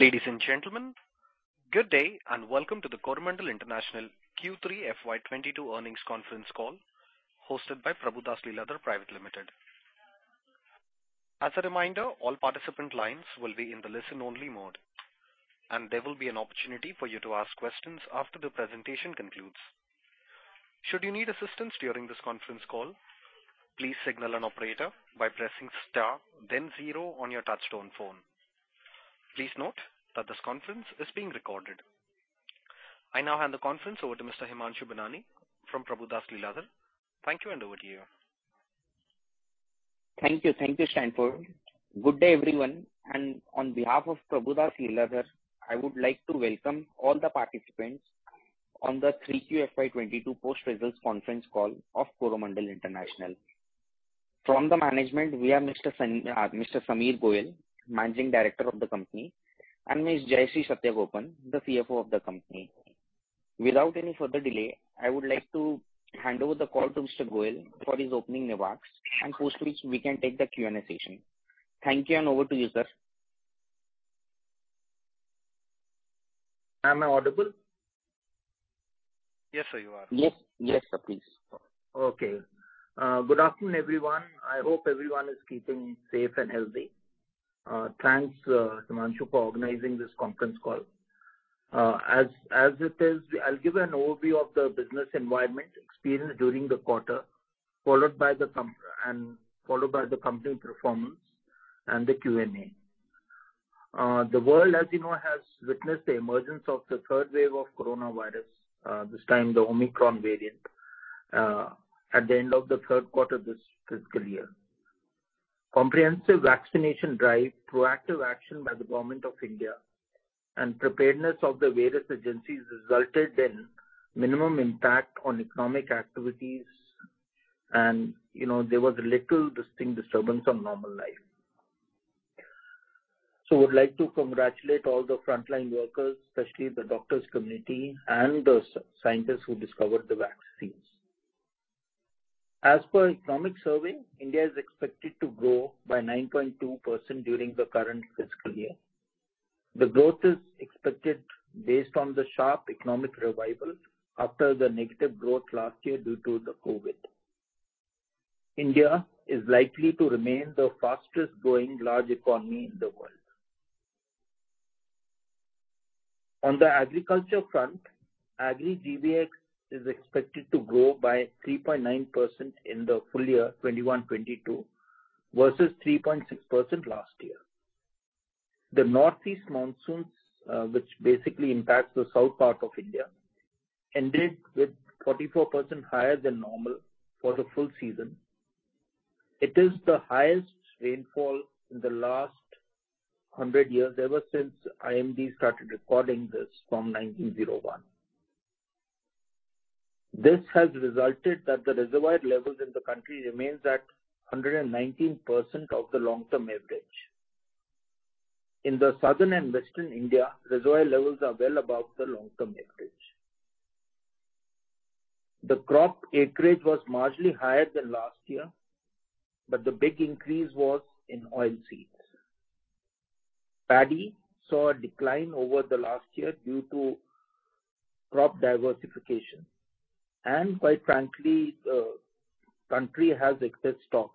Ladies and gentlemen, good day and welcome to the Coromandel International Q3 FY 2022 earnings conference call hosted by Prabhudas Lilladher Private Limited. As a reminder, all participant lines will be in the listen only mode, and there will be an opportunity for you to ask questions after the presentation concludes. Should you need assistance during this conference call, please signal an operator by pressing star then zero on your touchtone phone. Please note that this conference is being recorded. I now hand the conference over to Mr. Himanshu Binani from Prabhudas Lilladher. Thank you, and over to you. Thank you. Thank you, Stanford. Good day, everyone, and on behalf of Prabhudas Lilladher, I would like to welcome all the participants on the Q3 FY 2022 post results conference call of Coromandel International. From the management, we have Mr. Sameer Goel, Managing Director of the company, and Ms. Jayashree Satagopan, the CFO of the company. Without any further delay, I would like to hand over the call to Mr. Goel for his opening remarks, and post which we can take the Q&A session. Thank you, and over to you, sir. Am I audible? Yes, sir, you are. Yes. Yes, sir, please. Okay. Good afternoon, everyone. I hope everyone is keeping safe and healthy. Thanks, Himanshu, for organizing this conference call. As it is, I'll give an overview of the business environment experienced during the quarter, followed by the company performance and the Q&A. The world, as you know, has witnessed the emergence of the third wave of coronavirus, this time the Omicron variant, at the end of the third quarter this fiscal year. Comprehensive vaccination drive, proactive action by the Government of India, and preparedness of the various agencies resulted in minimum impact on economic activities and, you know, there was little distinct disturbance on normal life. I would like to congratulate all the frontline workers, especially the doctors community and the scientists who discovered the vaccines. As per economic survey, India is expected to grow by 9.2% during the current fiscal year. The growth is expected based on the sharp economic revival after the negative growth last year due to the COVID. India is likely to remain the fastest growing large economy in the world. On the agriculture front, agri GVA is expected to grow by 3.9% in the full year 2021, 2022 versus 3.6% last year. The Northeast monsoons, which basically impacts the south part of India, ended with 44% higher than normal for the full season. It is the highest rainfall in the last 100 years ever since IMD started recording this from 1901. This has resulted that the reservoir levels in the country remains at 119% of the long-term average. In southern and western India, reservoir levels are well above the long-term average. The crop acreage was marginally higher than last year, but the big increase was in oilseeds. Paddy saw a decline over the last year due to crop diversification, and quite frankly, the country has excess stocks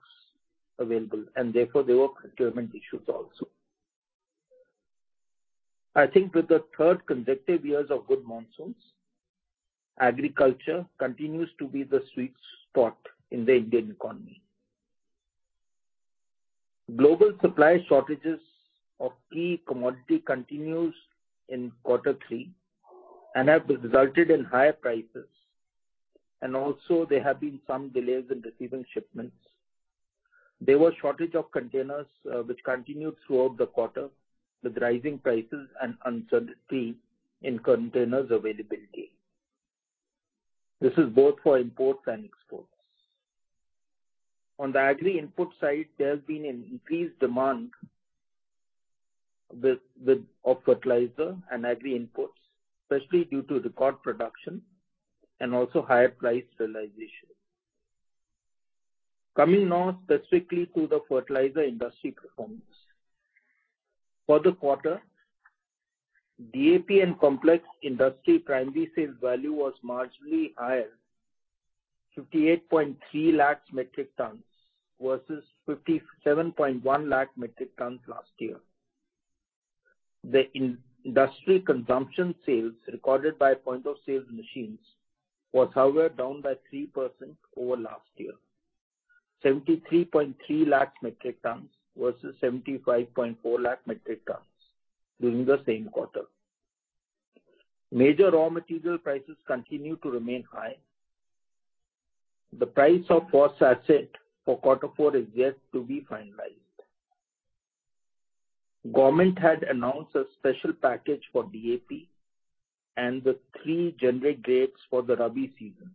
available and therefore there were procurement issues also. I think with the third consecutive years of good monsoons, agriculture continues to be the sweet spot in the Indian economy. Global supply shortages of key commodity continues in quarter three and have resulted in higher prices, and also there have been some delays in receiving shipments. There was shortage of containers, which continued throughout the quarter with rising prices and uncertainty in containers availability. This is both for imports and exports. On the agri input side, there's been an increased demand for fertilizer and agri inputs, especially due to record production and also higher priced fertilizers. Coming now specifically to the fertilizer industry performance. For the quarter, DAP and complex industry primary sales volume was marginally higher, 58.3 lakh metric tons versus 57.1 lakh metric tons last year. The industry consumption sales recorded by point of sales machines was, however, down by 3% over last year, 73.3 lakh metric tons versus 75.4 lakh metric tons during the same quarter. Major raw material prices continue to remain high. The price of phosphoric acid for quarter four is yet to be finalized. Government had announced a special package for DAP and the three generic grades for the rabi season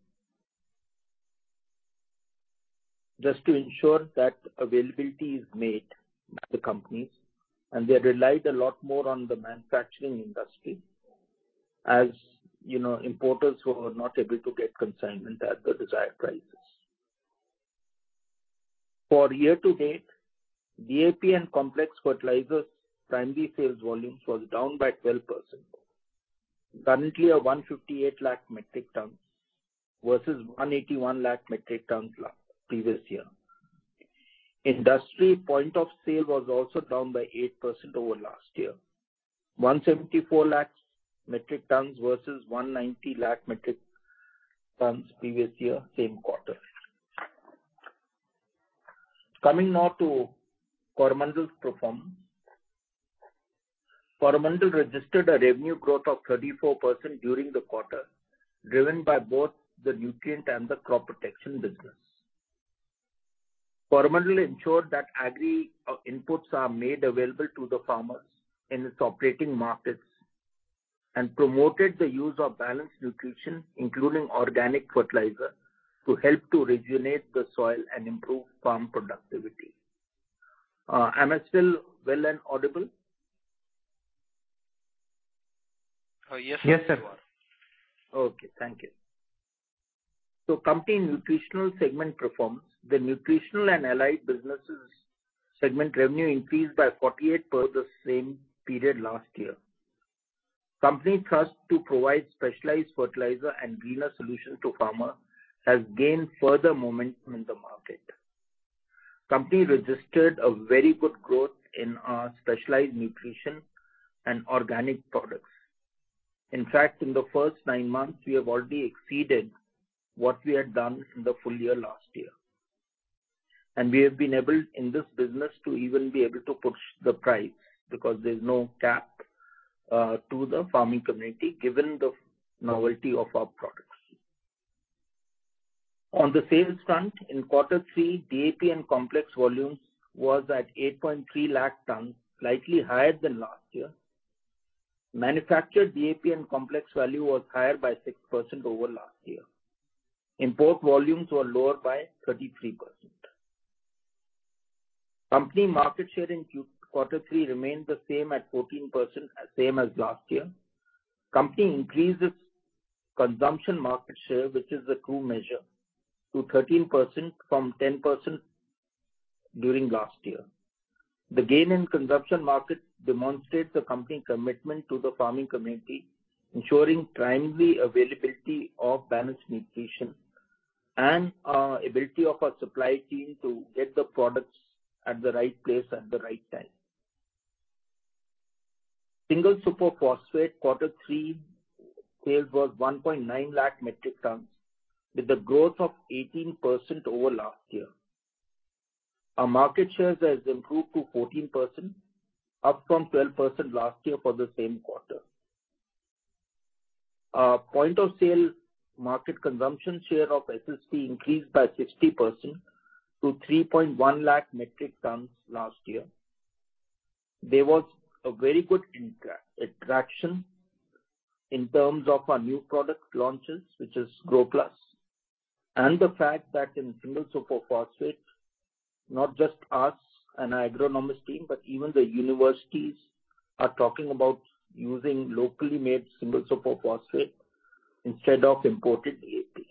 just to ensure that availability is made by the companies, and they relied a lot more on the manufacturing industry as, you know, importers were not able to get consignment at the desired price. For year to date, DAP and complex fertilizers timely sales volumes was down by 12%. Currently at 158 lakh metric tons versus 181 lakh metric tons last previous year. Industry point of sale was also down by 8% over last year. 174 lakhs metric tons versus 190 lakh metric tons previous year, same quarter. Coming now to Coromandel's performance. Coromandel registered a revenue growth of 34% during the quarter, driven by both the nutrient and the crop protection business. Coromandel ensured that agri inputs are made available to the farmers in its operating markets and promoted the use of balanced nutrition, including organic fertilizer, to help to rejuvenate the soil and improve farm productivity. Am I still well and audible? Yes. Yes, sir. Okay, thank you. Company's nutritional segment performance. The nutritional and allied businesses segment revenue increased by 48% over the same period last year. Company's thrust to provide specialized fertilizer and green solutions to farmers has gained further momentum in the market. Company registered a very good growth in specialized nutrition and organic products. In fact, in the first nine months, we have already exceeded what we had done in the full year last year. We have been able in this business to even be able to push the price because there's no cap to the farming community, given the novelty of our products. On the sales front, in quarter three, DAP and complex volumes was at 8.3 lakh tons, slightly higher than last year. Manufactured DAP and complex value was higher by 6% over last year. Import volumes were lower by 33%. Company market share in Q3 remained the same at 14%, same as last year. Company increases consumption market share, which is a true measure, to 13% from 10% during last year. The gain in consumption market demonstrates the company commitment to the farming community, ensuring timely availability of balanced nutrition and ability of our supply chain to get the products at the right place at the right time. Single Super Phosphate Q3 sales was 1.9 lakh metric tons with a growth of 18% over last year. Our market shares has improved to 14%, up from 12% last year for the same quarter. Our point of sale market consumption share of SSP increased by 50% to 3.1 lakh metric tons last year. There was a very good attraction in terms of our new product launches, which is Grow Plus. The fact that in single super phosphate, not just us and our agronomist team, but even the universities are talking about using locally made single super phosphate instead of imported DAP,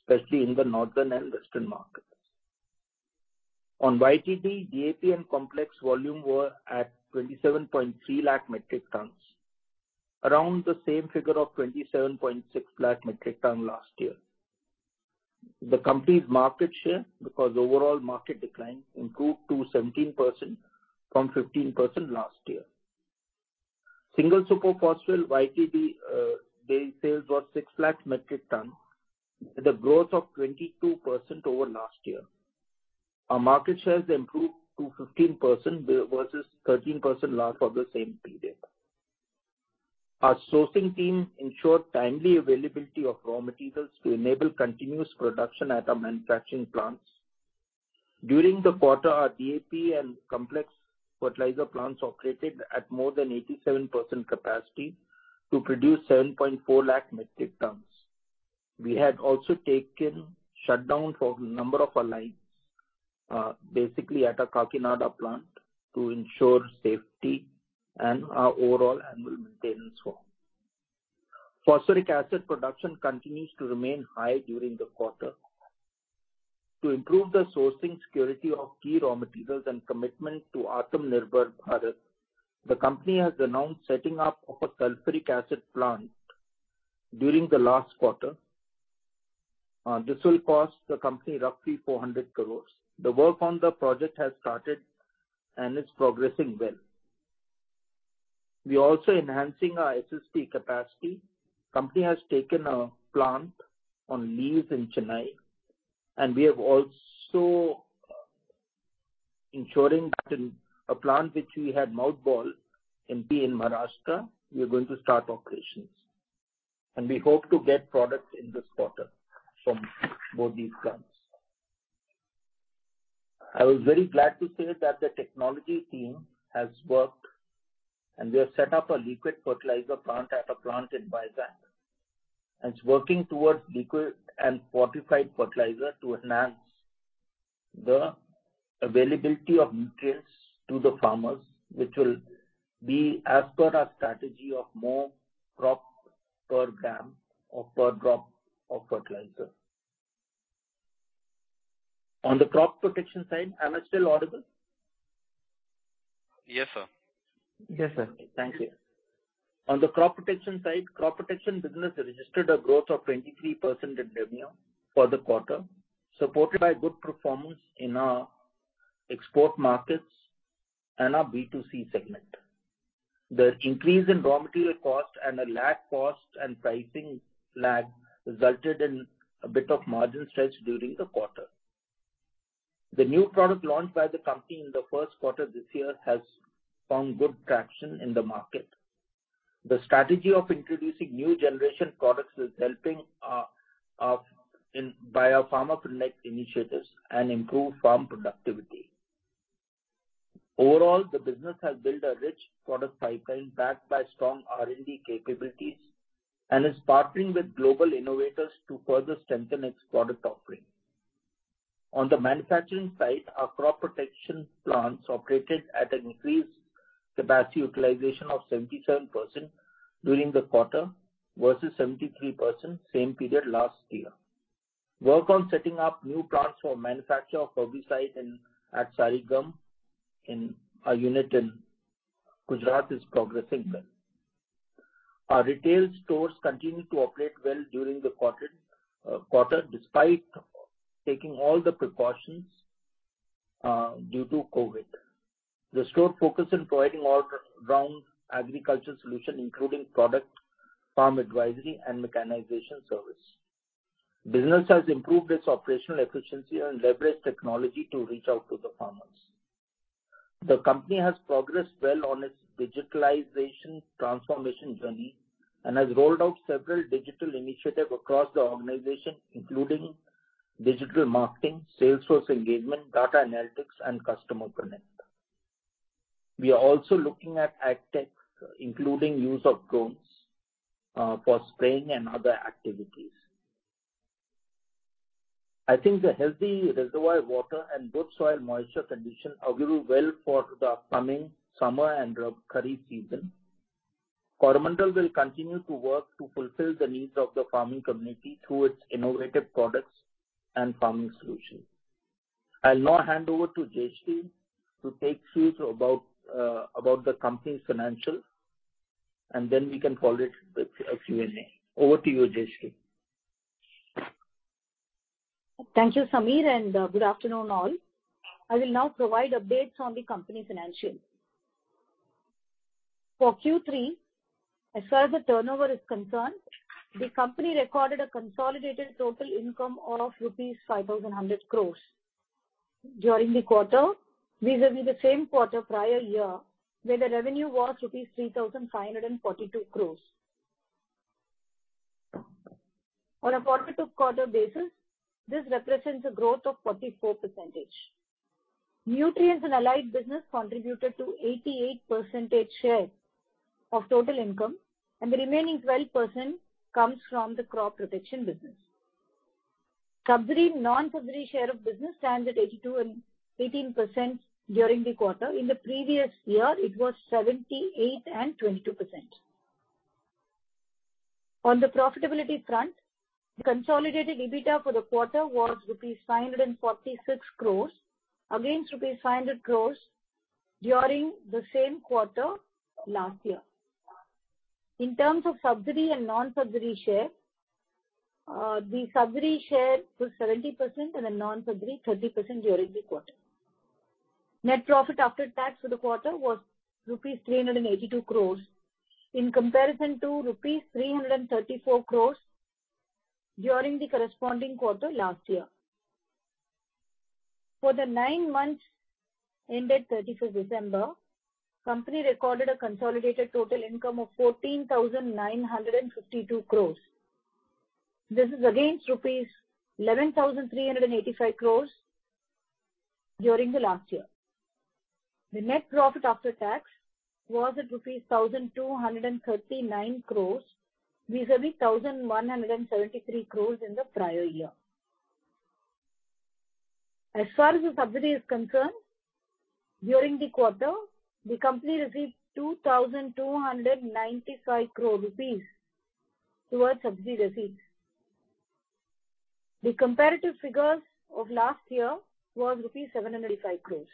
especially in the northern and western markets. On YTD, DAP and complex volume were at 27.3 lakh metric tons, around the same figure of 27.6 lakh metric tons last year. The company's market share, because overall market decline, improved to 17% from 15% last year. Single super phosphate YTD, the sales was 6 lakh metric tons with a growth of 22% over last year. Our market shares improved to 15% versus 13% last for the same period. Our sourcing team ensured timely availability of raw materials to enable continuous production at our manufacturing plants. During the quarter, our DAP and complex fertilizer plants operated at more than 87% capacity to produce 7.4 lakh metric tons. We had also taken shutdown for number of our lines, basically at our Kakinada plant to ensure safety and our overall annual maintenance flow. Phosphoric acid production continues to remain high during the quarter. To improve the sourcing security of key raw materials and commitment to Aatmanirbhar Bharat, the company has announced setting up of a sulfuric acid plant during the last quarter. This will cost the company roughly 400 crore. The work on the project has started and is progressing well. We also enhancing our SSP capacity. Company has taken a plant on lease in Chennai, and we have also ensuring that in a plant which we had mothballed in Pune in Maharashtra, we are going to start operations. We hope to get products in this quarter from both these plants. I was very glad to say that the technology team has worked, and we have set up a liquid fertilizer plant at a plant in Vizag, and it's working towards liquid and fortified fertilizer to enhance the availability of nutrients to the farmers, which will be as per our strategy of more crop per gram or per drop of fertilizer. On the crop protection side. Am I still audible? Yes, sir. Yes, sir. Thank you. On the crop protection side, crop protection business registered a growth of 23% in revenue for the quarter, supported by good performance in our export markets and our B2C segment. The increase in raw material cost and a lag cost and pricing lag resulted in a bit of margin stretch during the quarter. The new product launched by the company in the first quarter this year has found good traction in the market. The strategy of introducing new generation products is helping by our farmer connect initiatives and improve farm productivity. Overall, the business has built a rich product pipeline backed by strong R&D capabilities and is partnering with global innovators to further strengthen its product offering. On the manufacturing side, our crop protection plants operated at an increased capacity utilization of 77% during the quarter versus 73% same period last year. Work on setting up new plants for manufacture of herbicides at Sarigam in our unit in Gujarat is progressing well. Our retail stores continued to operate well during the quarter, despite taking all the precautions due to COVID. The store focus in providing all round agriculture solution including product, farm advisory and mechanization service. Business has improved its operational efficiency and leveraged technology to reach out to the farmers. The company has progressed well on its digitalization transformation journey and has rolled out several digital initiatives across the organization, including digital marketing, sales force engagement, data analytics and customer connect. We are also looking at AgTech, including use of drones for spraying and other activities. I think the healthy reservoir water and good soil moisture condition augur well for the upcoming kharif and rabi season. Coromandel will continue to work to fulfill the needs of the farming community through its innovative products and farming solutions. I'll now hand over to Jayashree to take you through about the company's financials, and then we can call it a Q&A. Over to you, Jayashree. Thank you, Sameer, and good afternoon all. I will now provide updates on the company's financials. For Q3, as far as the turnover is concerned, the company recorded a consolidated total income of rupees 5,100 crore during the quarter vis-à-vis the same quarter prior year, where the revenue was rupees 3,542 crore. On a quarter-to-quarter basis, this represents a growth of 44%. Nutrients and allied business contributed to 88% share of total income and the remaining 12% comes from the crop protection business. Subsidy, non-subsidy share of business stands at 82% and 18% during the quarter. In the previous year it was 78% and 22%. On the profitability front, the consolidated EBITDA for the quarter was rupees 546 crore against rupees 500 crore during the same quarter last year. In terms of subsidy and non-subsidy share, the subsidy share was 70% and the non-subsidy 30% during the quarter. Net profit after tax for the quarter was rupees 382 crore in comparison to rupees 334 crore during the corresponding quarter last year. For the nine months ended 31st December, company recorded a consolidated total income of 14,952 crore. This is against rupees 11,385 crore during the last year. The net profit after tax was at rupees 1,239 crore, vis-à-vis 1,173 crore in the prior year. As far as the subsidy is concerned, during the quarter, the company received 2,295 crore rupees towards subsidy receipts. The comparative figures of last year was rupees 785 crore.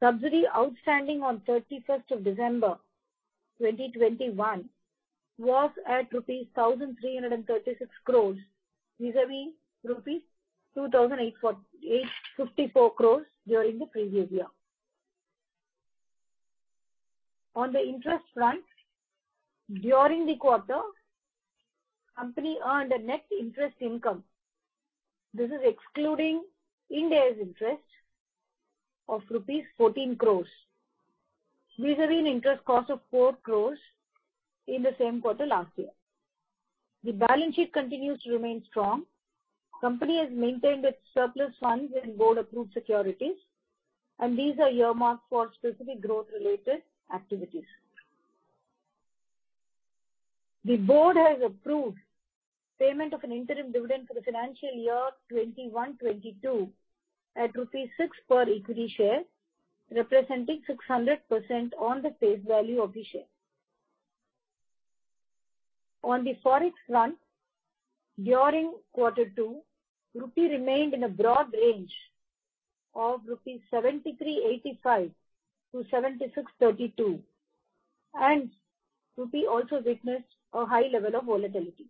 Subsidy outstanding on December 31st, 2021 was at rupees 1,336 crore vis-à-vis rupees 2,854 crore during the previous year. On the interest front, during the quarter, company earned a net interest income. This is excluding Ind AS interest of rupees 14 crore, vis-à-vis an interest cost of 4 crore in the same quarter last year. The balance sheet continues to remain strong. Company has maintained its surplus funds in board approved securities and these are earmarked for specific growth related activities. The board has approved payment of an interim dividend for the financial year 2021-2022 at rupees 6 per equity share, representing 600% on the face value of the share. On the Forex front, during quarter two, rupee remained in a broad range of 73.85-76.32 rupees. Rupee also witnessed a high level of volatility.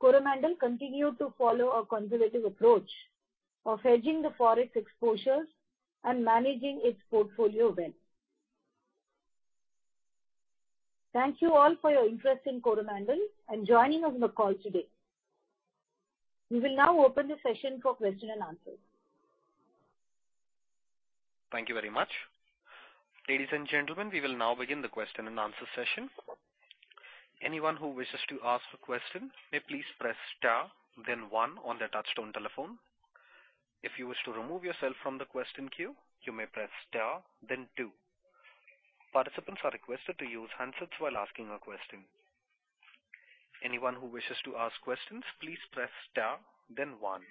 Coromandel continued to follow a conservative approach of hedging the Forex exposures and managing its portfolio well. Thank you all for your interest in Coromandel and joining us on the call today. We will now open the session for question and answers. Thank you very much. Ladies and gentlemen, we will now begin the question and answer session. Anyone who wishes to ask a question may please press star then one on their touchtone telephone. If you wish to remove yourself from the question queue, you may press star then two. Participants are requested to use handsets while asking a question. Anyone who wishes to ask questions, please press star then one.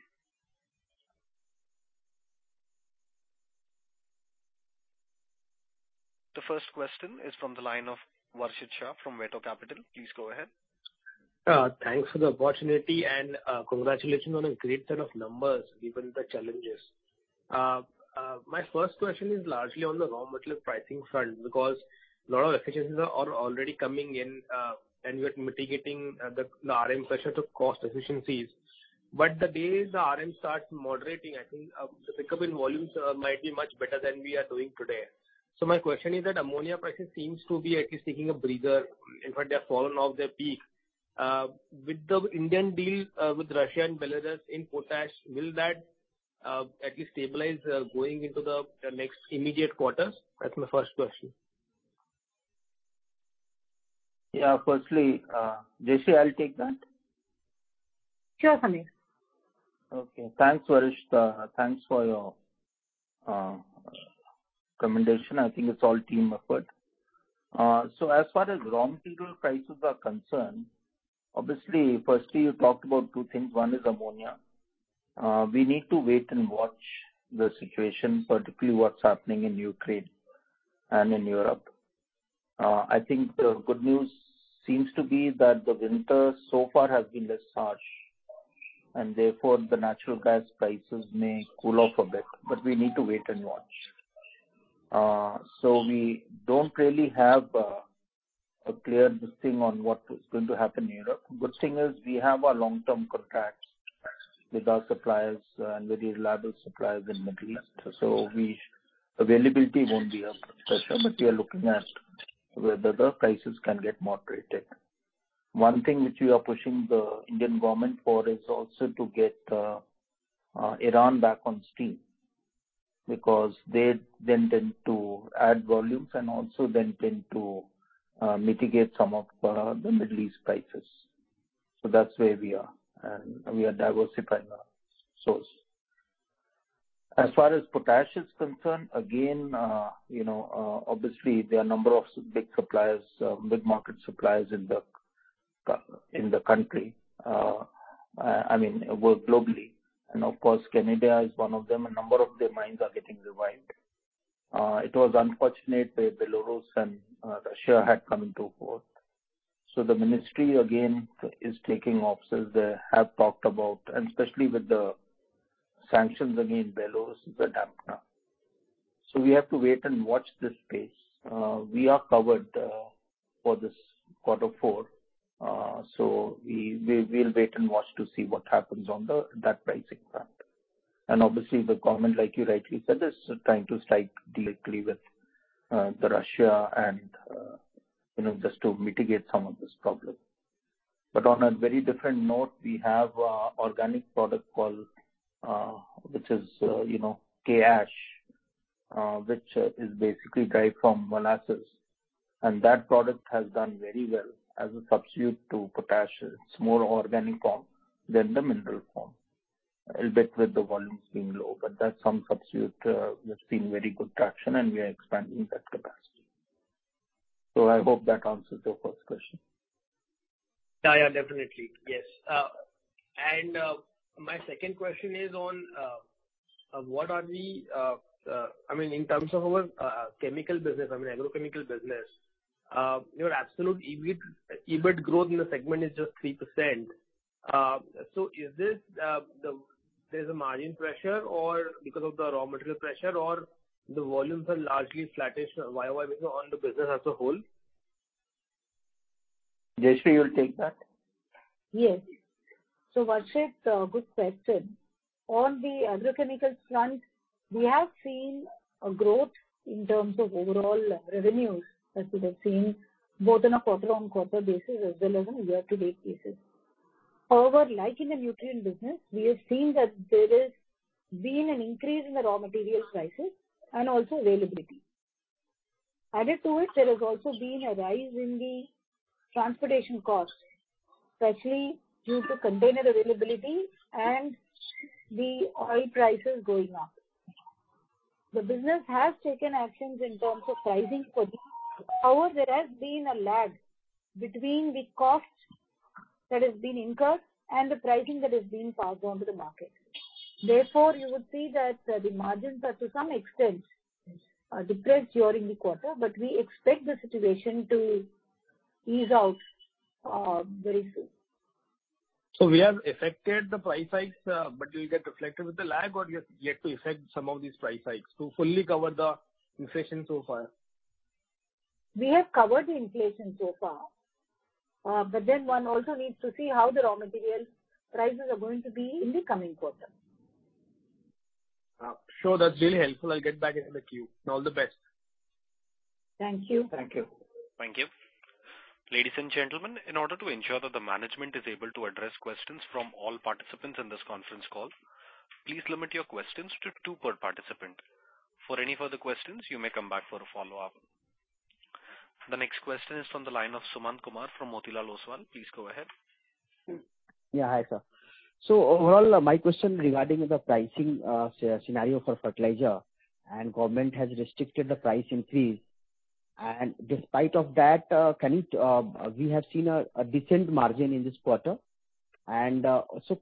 The first question is from the line of Varshit Shah from Catalyst Capital. Please go ahead. Thanks for the opportunity and congratulations on a great set of numbers given the challenges. My first question is largely on the raw material pricing front because a lot of efficiencies are already coming in and we are mitigating the RM pressure to cost efficiencies. The day the RM starts moderating, I think the pickup in volumes might be much better than we are doing today. My question is that ammonia prices seems to be at least taking a breather. In fact, they have fallen off their peak. With the Indian deal with Russia and Belarus in potash, will that at least stabilize going into the next immediate quarters? That's my first question. Yeah. Firstly, Jayashree, I'll take that. Sure, Sameer. Okay. Thanks, Varshit Shah. Thanks for your commendation. I think it's all team effort. As far as raw material prices are concerned, obviously, firstly, you talked about two things. One is ammonia. We need to wait and watch the situation, particularly what's happening in Ukraine and in Europe. I think the good news seems to be that the winter so far has been less harsh, and therefore the natural gas prices may cool off a bit. We need to wait and watch. We don't really have a clear listing on what is going to happen in Europe. The good thing is we have our long-term contracts with our suppliers and very reliable suppliers in the Middle East. Availability won't be a pressure, but we are looking at whether the prices can get moderated. One thing which we are pushing the Indian government for is also to get Iran back on stream because they then tend to add volumes and also then tend to mitigate some of the Middle East prices. That's where we are. We are diversifying our source. As far as potash is concerned, again, you know, obviously there are a number of big suppliers, big market suppliers in the country. I mean, well, globally, and of course Canada is one of them. A number of their mines are getting revived. It was unfortunate that Belarus and Russia had come to the fore. The ministry again is taking steps. They have talked about, and especially with the sanctions against Belarus, they have now. We have to wait and watch this space. We are covered for this quarter four. We'll wait and watch to see what happens on that pricing front. Obviously the government, like you rightly said, is trying to strike a deal directly with Russia, you know, just to mitigate some of this problem. On a very different note, we have an organic product called K-ash, you know, which is basically derived from molasses, and that product has done very well as a substitute to potash. It's more organic form than the mineral form. A little bit with the volumes being low, but that's some substitute that's seen very good traction and we are expanding that capacity. I hope that answers your first question. Yeah, yeah, definitely. Yes. My second question is on what are the I mean in terms of our chemical business, I mean agrochemical business, your absolute EBIT growth in the segment is just 3%. Is there margin pressure or because of the raw material pressure or the volumes are largely flattish YoY, you know, on the business as a whole? Jayashree, you'll take that. Yes. Varshit, good question. On the agrochemicals front, we have seen a growth in terms of overall revenues, as you have seen, both in a quarter-over-quarter basis as well as a year-to-date basis. However, like in the nutrient business, we have seen that there has been an increase in the raw materials prices and also availability. Added to it, there has also been a rise in the transportation costs, especially due to container availability and the oil prices going up. The business has taken actions in terms of pricing for this. However, there has been a lag between the cost that has been incurred and the pricing that has been passed on to the market. Therefore, you would see that the margins are to some extent, depressed during the quarter, but we expect the situation to ease out, very soon. We have effected the price hikes, but will get reflected with the lag or we have yet to effect some of these price hikes to fully cover the inflation so far? We have covered the inflation so far, but then one also needs to see how the raw material prices are going to be in the coming quarter. Sure. That's been helpful. I'll get back into the queue and all the best. Thank you. Thank you. Thank you. Ladies and gentlemen, in order to ensure that the management is able to address questions from all participants in this conference call, please limit your questions to two per participant. For any further questions, you may come back for a follow-up. The next question is from the line of Sumant Kumar from Motilal Oswal. Please go ahead. Yeah, hi, sir. Overall, my question regarding the pricing scenario for fertilizer and government has restricted the price increase. Despite of that, we have seen a decent margin in this quarter. Also,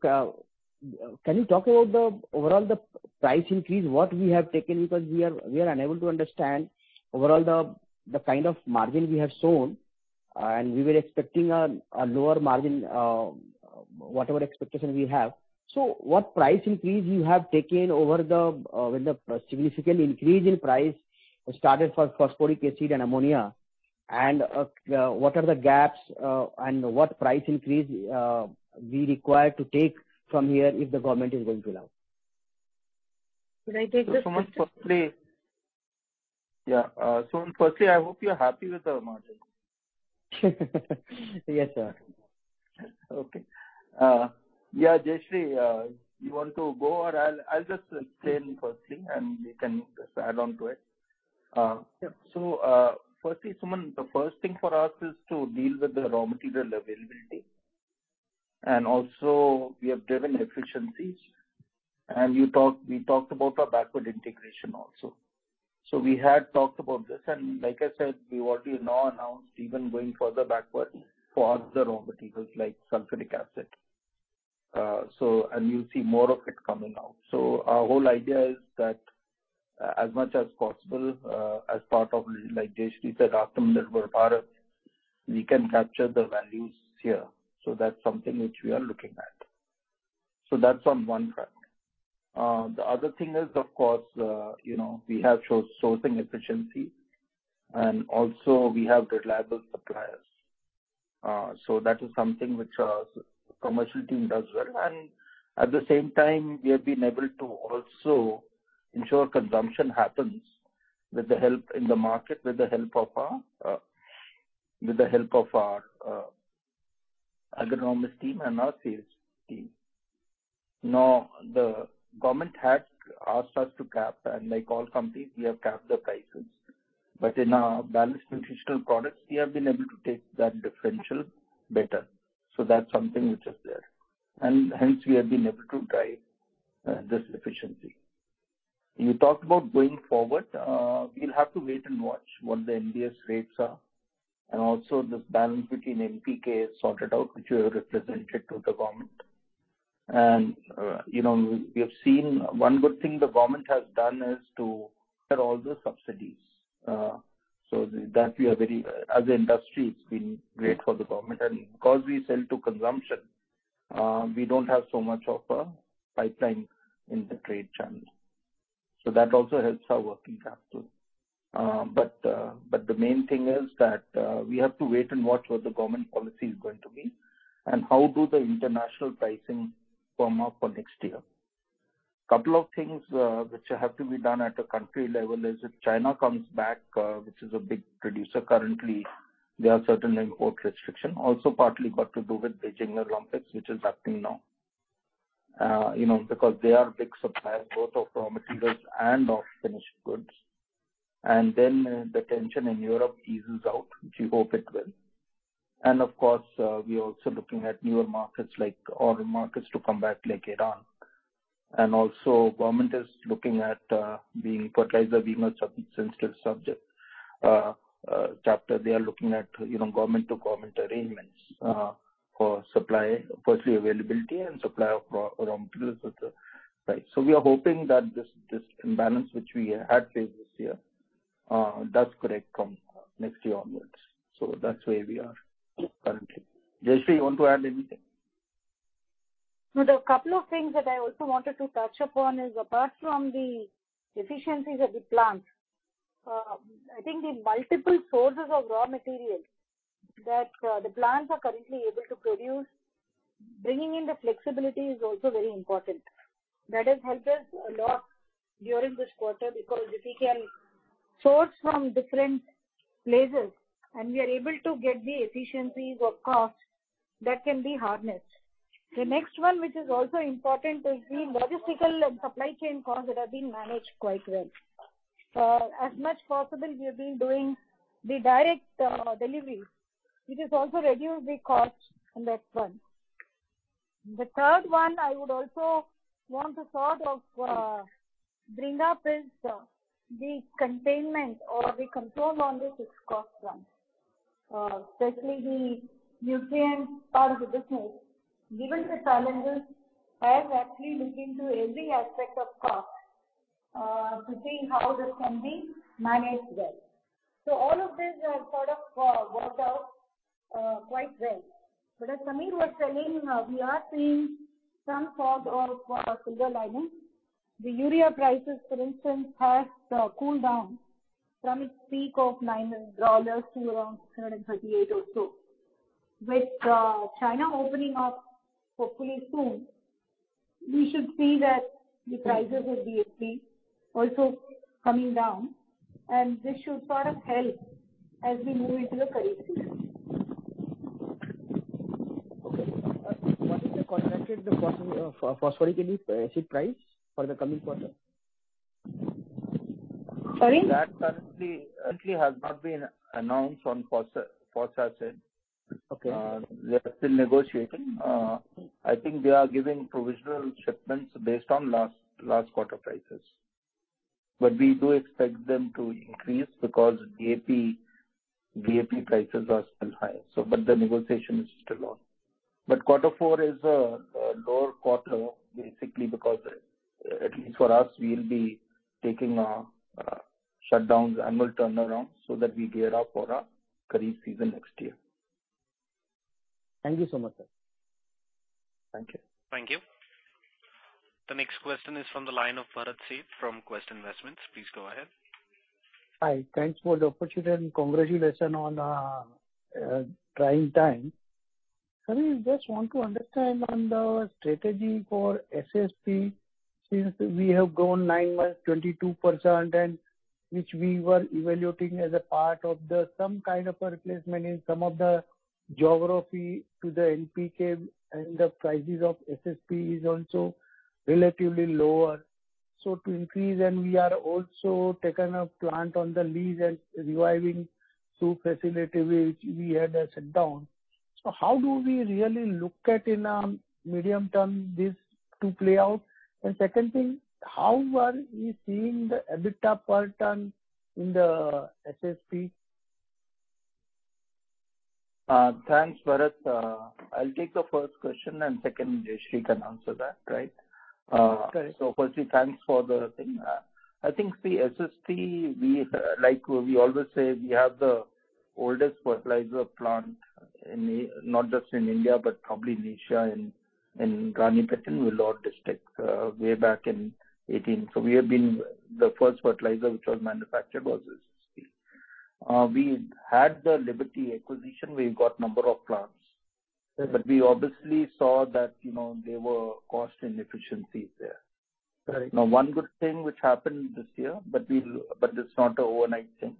can you talk about the overall price increase what we have taken? Because we are unable to understand overall the kind of margin we have shown. We were expecting a lower margin, whatever expectation we have. What price increase you have taken over the with the significant increase in price started for phosphoric acid and ammonia, and what are the gaps, and what price increase we require to take from here if the government is going to allow? Could I take this? Sumant, firstly, I hope you're happy with our margin. Yes, sir. Okay. Yeah, Jayashree, you want to go or I'll just say firstly and you can just add on to it. Firstly, Sumant, the first thing for us is to deal with the raw material availability. We have driven efficiencies. We talked about our backward integration also. We had talked about this. Like I said, we've already now announced even going further backward for other raw materials like sulfuric acid. You'll see more of it coming out. Our whole idea is that as much as possible, as part of like Jayashree said, Atmanirbhar Bharat, we can capture the values here. That's something which we are looking at. That's on one front. The other thing is of course, you know, we have shown sourcing efficiency and also we have reliable suppliers. That is something which our commercial team does well. At the same time we have been able to also ensure consumption happens with the help in the market, with the help of our agronomist team and our sales team. Now the government has asked us to cap, and like all companies we have capped the prices. In our balanced nutritional products we have been able to take that differential better. That's something which is there. Hence we have been able to drive this efficiency. You talked about going forward. We'll have to wait and watch what the NBS rates are. Also this balance between NPK is sorted out, which we have represented to the government. You know, we have seen one good thing the government has done is to clear all the subsidies. That we are very. As an industry, it's been great for the government. Because we sell to consumption, we don't have so much of a pipeline in the trade channel. That also helps our working capital. The main thing is that we have to wait and watch what the government policy is going to be and how do the international pricing firm up for next year. Couple of things which have to be done at a country level is if China comes back, which is a big producer currently. There are certain import restriction also partly got to do with Beijing Olympics, which is happening now. You know, because they are big supplier both of raw materials and of finished goods. Then the tension in Europe eases out, which we hope it will. Of course, we are also looking at newer markets like Oman to come back like Iran. Government is looking at fertilizer being a super-sensitive subject. They are looking at, you know, government to government arrangements for supply. First, availability and supply of raw materials at the price. We are hoping that this imbalance which we had faced this year does correct from next year onwards. That's where we are currently. Jayashree, you want to add anything? The couple of things that I also wanted to touch upon is apart from the efficiencies at the plants, I think the multiple sources of raw material that the plants are currently able to produce. Bringing in the flexibility is also very important. That has helped us a lot during this quarter because if we can source from different places and we are able to get the efficiencies of cost, that can be harnessed. The next one, which is also important is the logistical and supply chain costs that are being managed quite well. As much possible we have been doing the direct deliveries, which has also reduced the costs on that front. The third one I would also want to sort of bring up is the containment or the control on the fixed cost front, especially the nutrient part of the business. Given the challenges, I have actually looked into every aspect of cost to see how this can be managed well. All of these have sort of worked out quite well. As Sameer was telling, we are seeing some sort of silver linings. The urea prices, for instance, have cooled down from its peak of $900 to around $638 or so. With China opening up hopefully soon, we should see that the prices of DAP also coming down, and this should sort of help as we move into the kharif season. What is the contracted phosphoric acid price for the coming quarter? Sorry? That currently has not been announced on phosphoric acid. Okay. They're still negotiating. I think they are giving provisional shipments based on last quarter prices. We do expect them to increase because DAP prices are still high, so but the negotiation is still on. Quarter four is a lower quarter basically because, at least for us, we'll be taking shutdowns, Annual Turnaround, so that we gear up for our Kharif season next year. Thank you so much, sir. Thank you. Thank you. The next question is from the line of Bharat Sheth from Quest Investments. Please go ahead. Hi. Thanks for the opportunity and congratulations on trying times. Sameer, I just want to understand on the strategy for SSP since we have grown nine-month 22% and which we were evaluating as a part of the some kind of a replacement in some of the geography to the NPK and the prices of SSP is also relatively lower. To increase and we are also taking a plant on the lease and reviving two facility which we had shut down. How do we really look at in medium term this to play out? And second thing, how are we seeing the EBITDA per ton in the SSP? Thanks, Bharat. I'll take the first question, and second, Jayashree can answer that. Right? Okay. Firstly, thanks for the thing. I think the SSP, we, like we always say, we have the oldest fertilizer plant in, not just in India, but probably in Asia, in Ranipet, in Villupuram district, way back in 18. We have been the first fertilizer which was manufactured SSP. We had the Liberty acquisition. We got number of plants. Yes. We obviously saw that, you know, there were cost inefficiencies there. Right. Now, one good thing which happened this year, but it's not an overnight thing.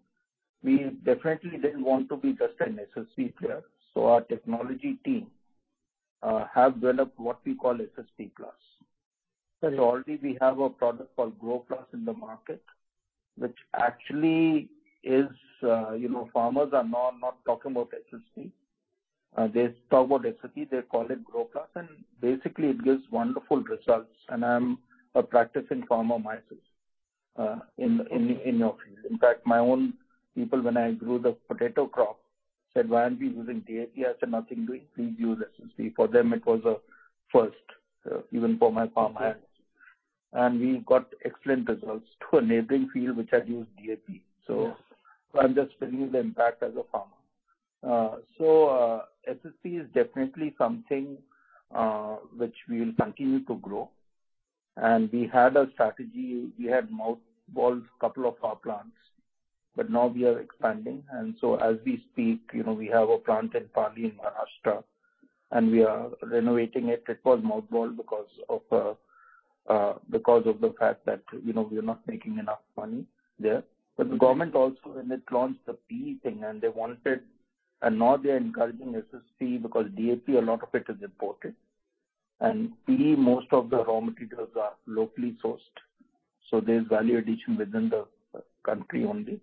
We definitely didn't want to be just an SSP player. Our technology team have developed what we call SSP Plus. Yes. Already we have a product called GroPlus in the market, which actually is, you know, farmers are now not talking about SSP. They talk about SSP, they call it GroPlus, and basically it gives wonderful results. I'm a practicing farmer myself, in our field. In fact, my own people when I grew the potato crop said, "Why aren't we using DAP?" I said, "Nothing doing. Please use SSP." For them, it was a first, even for my farm hands. Okay. We got excellent results to a neighboring field which had used DAP. Yes. I'm just telling you the impact as a farmer. SSP is definitely something which we will continue to grow. We had a strategy. We had mothballed couple of our plants, but now we are expanding. As we speak, you know, we have a plant in Pali, in Maharashtra, and we are renovating it. It was mothballed because of the fact that, you know, we are not making enough money there. The government also when it launched the P thing and they wanted and now they're encouraging SSP because DAP, a lot of it is imported and P, most of the raw materials are locally sourced, so there's value addition within the country only.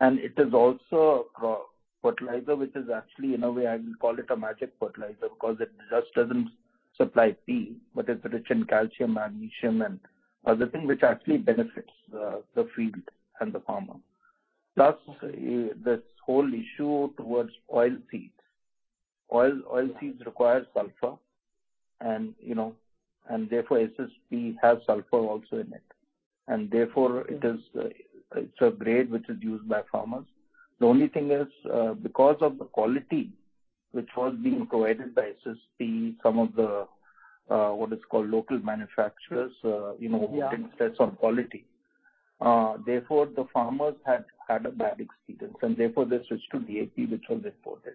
It is also a fertilizer which is actually in a way I will call it a magic fertilizer because it just doesn't supply P, but it's rich in calcium, magnesium and other thing which actually benefits the field and the farmer. Plus, this whole issue towards oil seeds. Oil seeds require sulfur and therefore, SSP has sulfur also in it. Therefore, it's a grade which is used by farmers. The only thing is, because of the quality which was being provided by SSP, some of the what is called local manufacturers. Yeah. Didn't test on quality. Therefore, the farmers had had a bad experience, and therefore they switched to DAP, which was imported.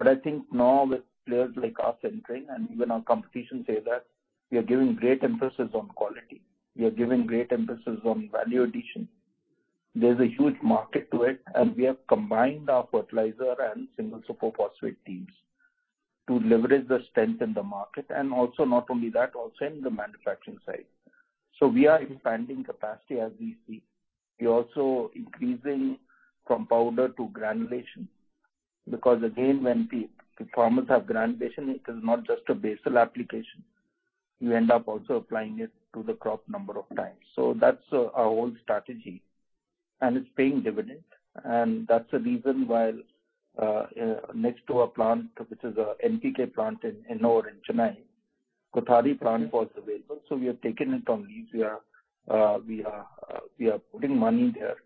I think now with players like us entering and even our competition say that we are giving great emphasis on quality. We are giving great emphasis on value addition. There's a huge market to it, and we have combined our fertilizer and single super phosphate teams to leverage the strength in the market and also not only that, also in the manufacturing side. We are expanding capacity as we speak. We're also increasing from powder to granulation because again, when the farmers have granulation, it is not just a basal application. You end up also applying it to the crop number of times. That's our whole strategy and it's paying dividends. That's the reason why, next to our plant, which is a NPK plant in Ennore in Chennai, Kothari plant was available, so we have taken it on lease. We are putting money there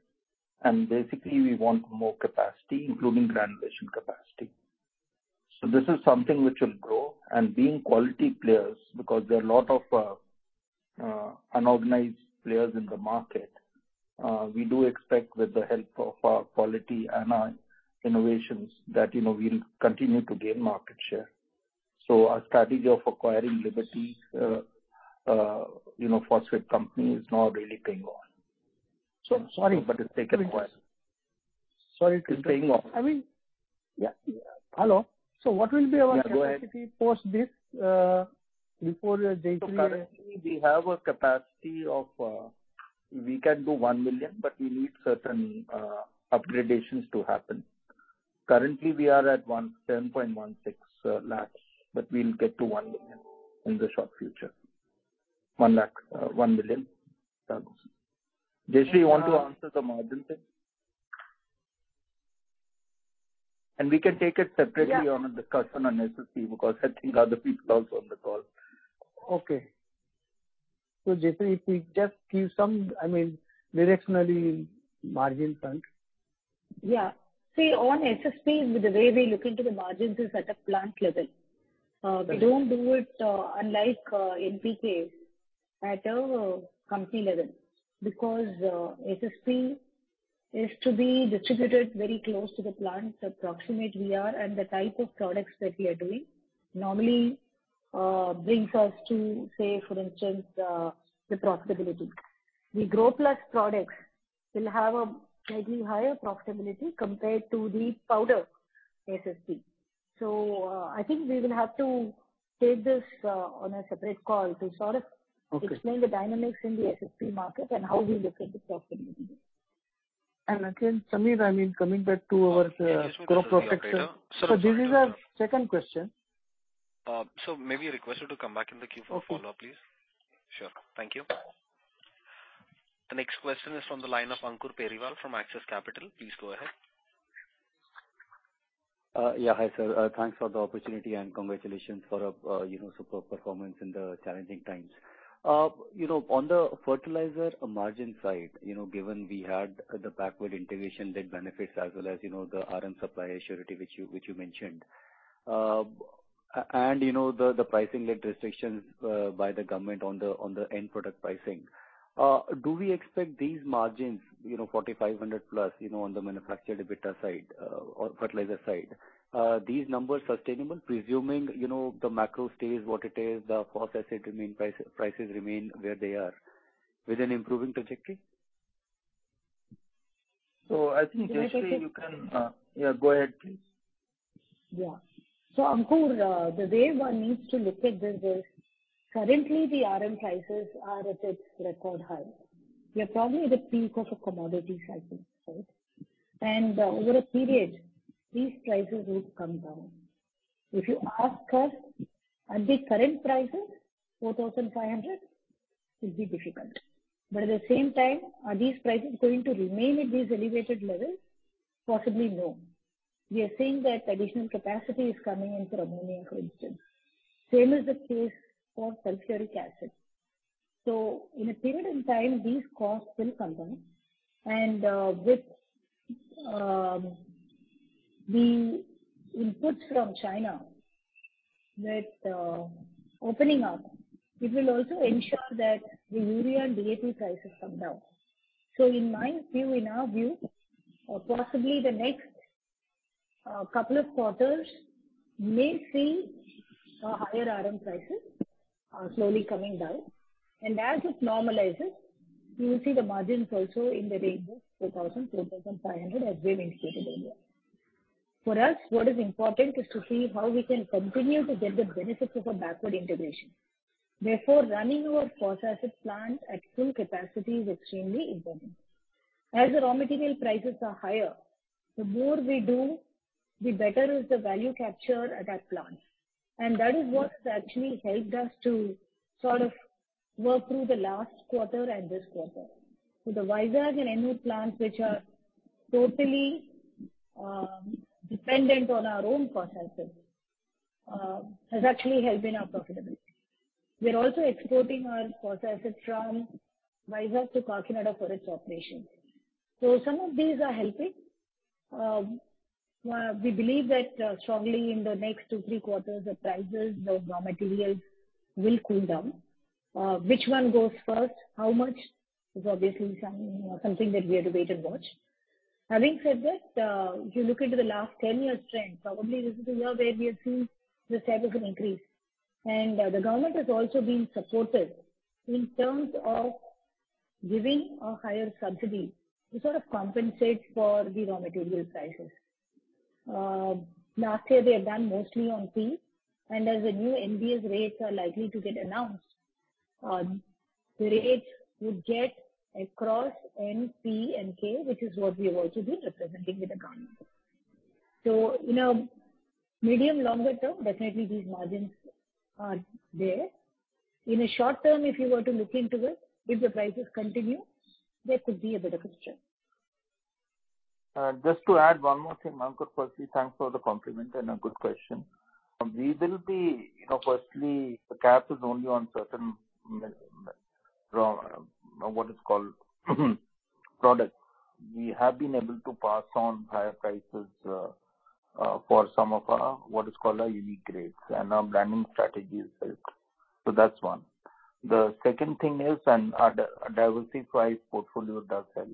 and basically we want more capacity, including granulation capacity. This is something which will grow and being quality players because there are a lot of unorganized players in the market, we do expect with the help of our quality and our innovations that, you know, we'll continue to gain market share. Our strategy of acquiring Liberty Phosphate company is now really paying off. So. Sorry, but it's taken a while. Sorry to interrupt. It's paying off. I mean. Yeah. Hello. What will be our? Yeah, go ahead. capacity post this, before Jayashree. Currently we have a capacity of, we can do 1 million, but we need certain upgradations to happen. Currently, we are at 10.16 lakhs, but we'll get to 1 million in the short future. 1 lakh, 1 million tons. Jayashree, you want to answer the margin thing? We can take it separately. Yeah. On a discussion on SSP because I think other people are also on the call. Okay. Jayashree, if we just give some, I mean, directionally margin front. Yeah. See, on SSP, the way we look into the margins is at a plant level. Okay. We don't do it, unlike NPK at a company level because SSP is to be distributed very close to the plant. The proximity we are and the type of products that we are doing normally brings us to say for instance, the profitability. The Grow Plus products will have a slightly higher profitability compared to the powder SSP. I think we will have to take this on a separate call to sort of. Okay. Explain the dynamics in the SSP market and how we look at the profitability. Again, Sameer, I mean, coming back to our Gro products. This is our second question. May we request you to come back in the queue for a follow-up, please? Okay. Sure. Thank you. The next question is from the line of Ankur Periwal from Axis Capital. Please go ahead. Yeah. Hi, sir. Thanks for the opportunity and congratulations for a superb performance in the challenging times. You know, on the fertilizer margin side, you know, given we had the backward integration that benefits as well as you know, the RM supply surety which you mentioned. You know, the pricing led restrictions by the government on the end product pricing. Do we expect these margins, you know, 4,500+, you know, on the manufactured EBITDA side or fertilizer side? Are these numbers sustainable, presuming, you know, the macro stays what it is, the phosphate prices remain where they are with an improving trajectory? I think, Jayashree, you can. Can I take this? Yeah, go ahead, please. Yeah. Ankur, the way one needs to look at this is currently the RM prices are at its record high. We are probably at the peak of a commodity cycle. Right? Over a period these prices will come down. If you ask us at the current prices, 4,500 will be difficult. At the same time, are these prices going to remain at these elevated levels? Possibly no. We are seeing that additional capacity is coming in for ammonia, for instance. Same is the case for sulfuric acid. In a period in time these costs will come down and with the inputs from China that opening up, it will also ensure that the urea and DAP prices come down. In my view, in our view, possibly the next couple of quarters may see higher RM prices slowly coming down. As it normalizes, you will see the margins also in the range of 2,000-2,500 as we've indicated earlier. For us, what is important is to see how we can continue to get the benefits of a backward integration. Therefore, running our phosphate plants at full capacity is extremely important. As the raw material prices are higher, the more we do, the better is the value captured at that plant. That is what has actually helped us to sort of work through the last quarter and this quarter. The Vizag and Ennore plants, which are totally dependent on our own phosphoric acid, has actually helped in our profitability. We are also exporting our phosphate from Vizag to Kakinada for its operation. Some of these are helping. We believe that strongly in the next two, three quarters, the prices of raw materials will cool down. Which one goes first? How much is obviously something that we have to wait and watch. Having said that, if you look into the last 10 years trend, probably this is a year where we have seen the cycle can increase. The government has also been supportive in terms of giving a higher subsidy to sort of compensate for the raw material prices. Last year they have done mostly on P, and as the new NBS rates are likely to get announced, the rate would get across M, P and K, which is what we are also representing with the government. In a medium longer term, definitely these margins are there. In a short term, if you were to look into it, if the prices continue, there could be a bit of a stretch. Just to add one more thing, Ankur. Firstly, thanks for the compliment and a good question. You know, firstly, the cap is only on certain raw, what is called, products. We have been able to pass on higher prices for some of our what is called our unique grades and our branding strategy has helped. That's one. The second thing is. Our diversified portfolio does help.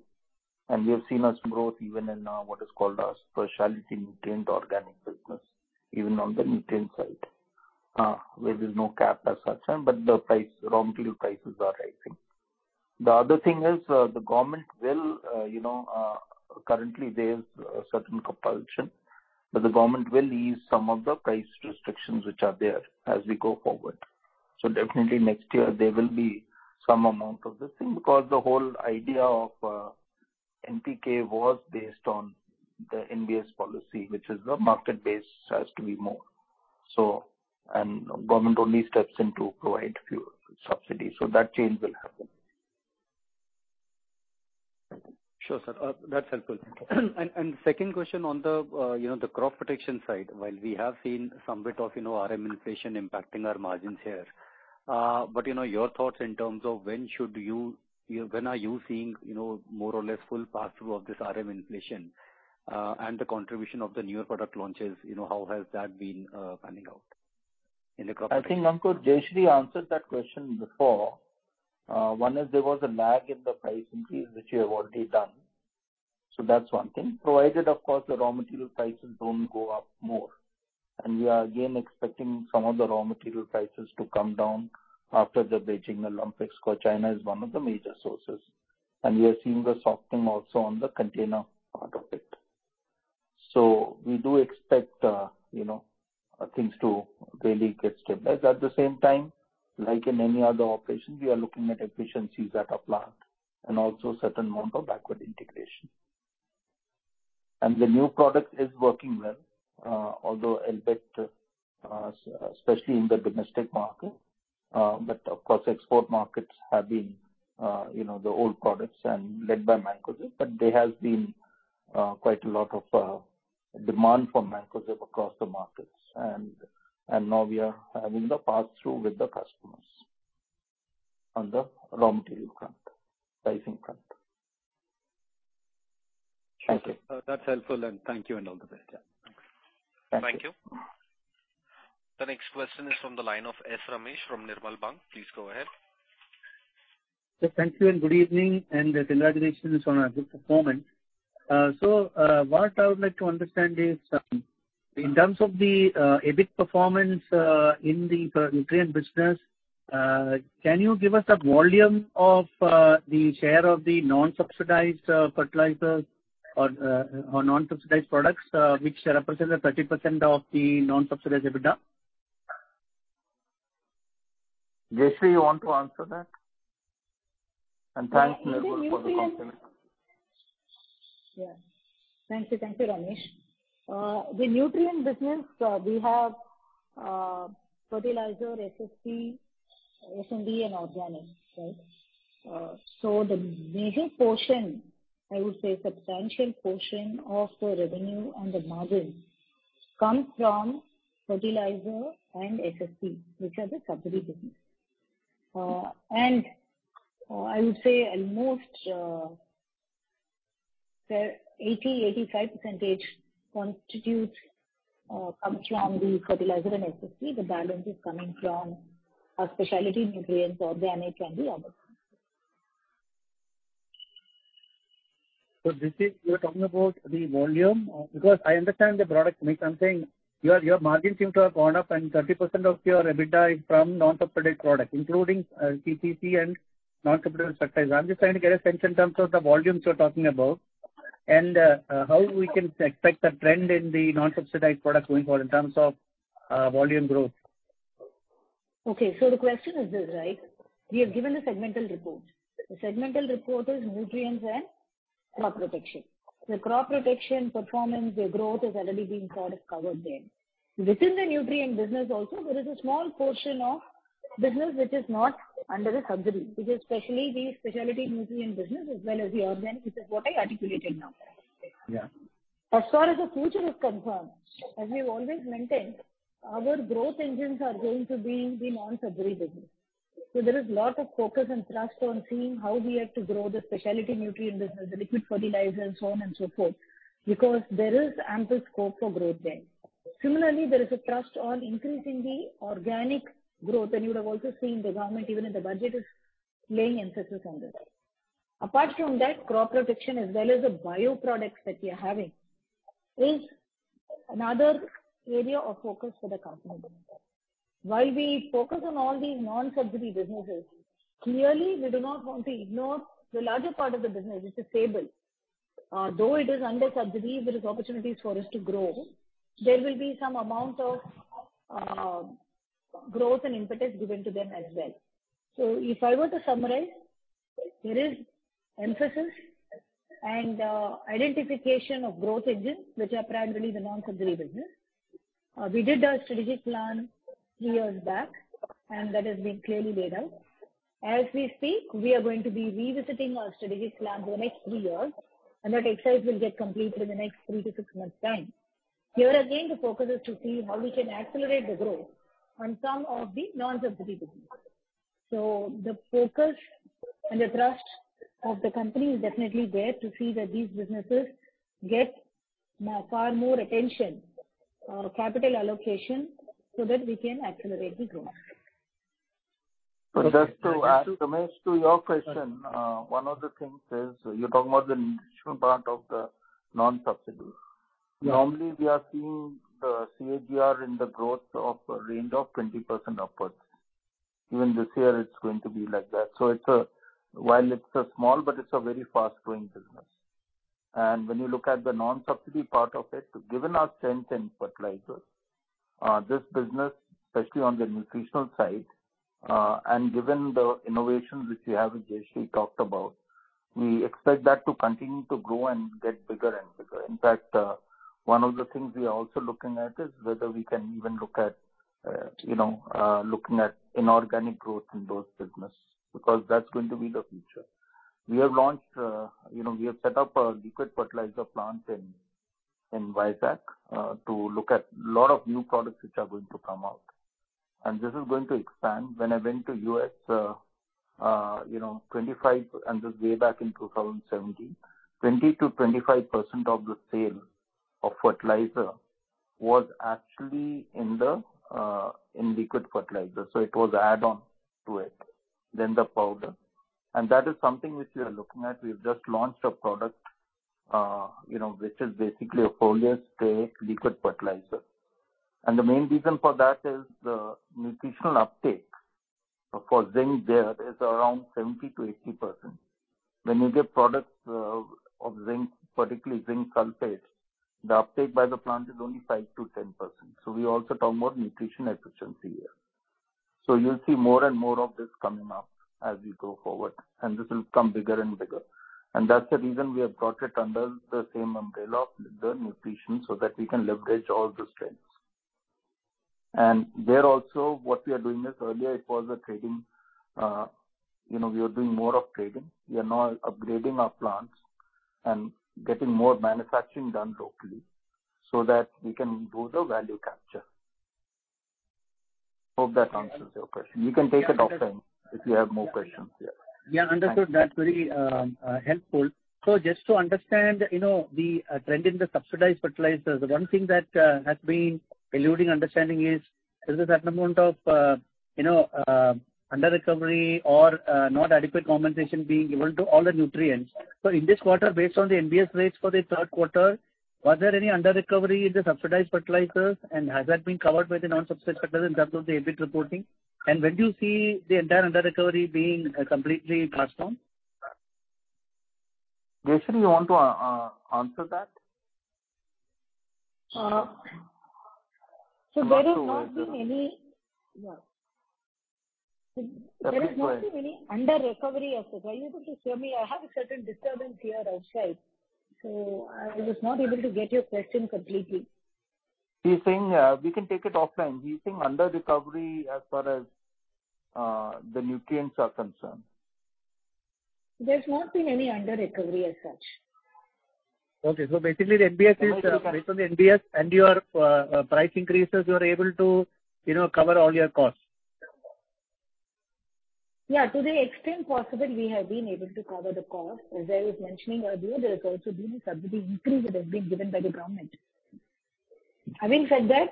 We have seen growth even in what is called our specialty nutrient organic business, even on the nutrient side, where there's no cap as such, but the raw material prices are rising. The other thing is, the government will, you know, currently there is a certain compulsion, but the government will ease some of the price restrictions which are there as we go forward. Definitely next year there will be some amount of this thing because the whole idea of NPK was based on the NBS policy, which is the market-based has to be more. Government only steps in to provide few subsidies. That change will happen. Sure, sir. That's helpful. Second question on the, you know, the crop protection side. While we have seen some bit of, you know, RM inflation impacting our margins here, but you know, your thoughts in terms of when are you seeing, you know, more or less full pass-through of this RM inflation, and the contribution of the newer product launches, you know, how has that been, panning out in the crop protection? I think, Ankur, Jayashree answered that question before. One is there was a lag in the price increase which you have already done. That's one thing. Provided of course, the raw material prices don't go up more. We are again expecting some of the raw material prices to come down after the Beijing Olympics, because China is one of the major sources. We are seeing the softening also on the container part of it. We do expect, you know, things to really get stabilized. At the same time, like in any other operation, we are looking at efficiencies at our plant and also certain amount of backward integration. The new product is working well, although a little bit, especially in the domestic market. Of course export markets have been, you know, sold products and led by Mancozeb. There has been quite a lot of demand for Mancozeb across the markets. Now we are having the pass-through with the customers on the raw material front, pricing front. Thank you. That's helpful. Thank you and all the best. Yeah. Thanks. Thank you. Thank you. The next question is from the line of S. Ramesh from Nirmal Bang. Please go ahead. Sir, thank you and good evening, and congratulations on a good performance. What I would like to understand is, in terms of the EBIT performance, in the nutrient business, can you give us the volume of the share of the non-subsidized fertilizers or non-subsidized products, which represent the 30% of the non-subsidized EBITDA? Jayashree, you want to answer that? Thanks S. Ramesh for the compliment. Yeah. Thank you. Thank you, Ramesh. The nutrient business, we have fertilizer, SSP, MOP and organic. Right? The major portion, I would say substantial portion of the revenue and the margin comes from fertilizer and SSP, which are the subsidy business. I would say almost 80%-85% constitutes comes from the fertilizer and SSP. The balance is coming from our specialty nutrients, organic and the others. You're talking about the volume. Because I understand the product mix. I'm saying your margins seem to have gone up and 30% of your EBITDA is from non-subsidized products, including PPC and non-subsidized fertilizers. I'm just trying to get a sense in terms of the volumes you're talking about and how we can expect the trend in the non-subsidized products going forward in terms of volume growth. Okay. The question is this, right? We have given a segmental report. The segmental report is Nutrients and Crop Protection. The Crop Protection performance, the growth has already been sort of covered there. Within the Nutrient business also, there is a small portion of business which is not under the subsidy, which is specifically the specialty Nutrient business as well as the organic, which is what I articulated now. Yeah. As far as the future is concerned, as we've always maintained, our growth engines are going to be the non-subsidy business. There is lot of focus and thrust on seeing how we have to grow the specialty nutrient business, the liquid fertilizer and so on and so forth, because there is ample scope for growth there. Similarly, there is a thrust on increasing the organic growth, and you would have also seen the government even in the budget is laying emphasis on this. Apart from that, crop protection as well as the bio products that we are having is another area of focus for the company. While we focus on all these non-subsidy businesses, clearly we do not want to ignore the larger part of the business which is stable. Though it is under subsidy, there is opportunities for us to grow. There will be some amount of, growth and impetus given to them as well. If I were to summarize, there is emphasis and, identification of growth engines which are primarily the non-subsidy business. We did a strategic plan three years back, and that has been clearly laid out. As we speak, we are going to be revisiting our strategic plan for the next three years, and that exercise will get completed in the next three to six months' time. Here again, the focus is to see how we can accelerate the growth on some of the non-subsidy businesses. The focus and the thrust of the company is definitely there to see that these businesses get far more attention or capital allocation so that we can accelerate the growth. Just to add, Ramesh, to your question. Yes. One of the things is you're talking about the nutritional part of the non-subsidy. Yeah. Normally we are seeing the CAGR in the growth of a range of 20% upwards. Even this year it's going to be like that. While it's a small but it's a very fast-growing business. When you look at the non-subsidy part of it, given our strength in fertilizer, this business, especially on the nutritional side, and given the innovations which we have and Jayashree talked about, we expect that to continue to grow and get bigger and bigger. In fact, one of the things we are also looking at is whether we can even look at, you know, looking at inorganic growth in those business, because that's going to be the future. We have launched, you know, we have set up a liquid fertilizer plant in Vizag to look at lot of new products which are going to come out. This is going to expand. When I went to U.S., you know, 25 this way back in 2017, 20%-25% of the sale of fertilizer was actually in liquid fertilizer. It was add on to it than the powder. That is something which we are looking at. We've just launched a product, you know, which is basically a foliar spray liquid fertilizer. The main reason for that is the nutritional uptake for zinc there is around 70%-80%. When you get products of zinc, particularly zinc sulfate, the uptake by the plant is only 5%-10%. We also talk about nutrition efficiency here. You'll see more and more of this coming up as we go forward, and this will become bigger and bigger. That's the reason we have brought it under the same umbrella of the nutrition, so that we can leverage all the strengths. There also what we are doing is earlier it was a trading, you know, we are doing more of trading. We are now upgrading our plants and getting more manufacturing done locally so that we can do the value capture. Hope that answers your question. You can take it offline if you have more questions. Yeah. Yeah. Understood. That's very helpful. Just to understand, you know, the trend in the subsidized fertilizers, the one thing that has been eluding understanding is the certain amount of, you know, under recovery or not adequate compensation being given to all the nutrients. In this quarter, based on the NBS rates for the third quarter, was there any under recovery in the subsidized fertilizers? And has that been covered by the non-subsidy fertilizers in terms of the EBIT reporting? And when do you see the entire under recovery being completely passed on? Jayashree, you want to answer that? There is not been any under recovery as such. Are you able to hear me? I have a certain disturbance here outside, so I was not able to get your question completely. She's saying, we can take it offline. She's saying under recovery as far as the nutrients are concerned. There's not been any under recovery as such. Based on the NBS and your price increases, you are able to, you know, cover all your costs. Yeah. To the extent possible, we have been able to cover the cost. As I was mentioning earlier, there has also been a subsidy increase that has been given by the government. Having said that,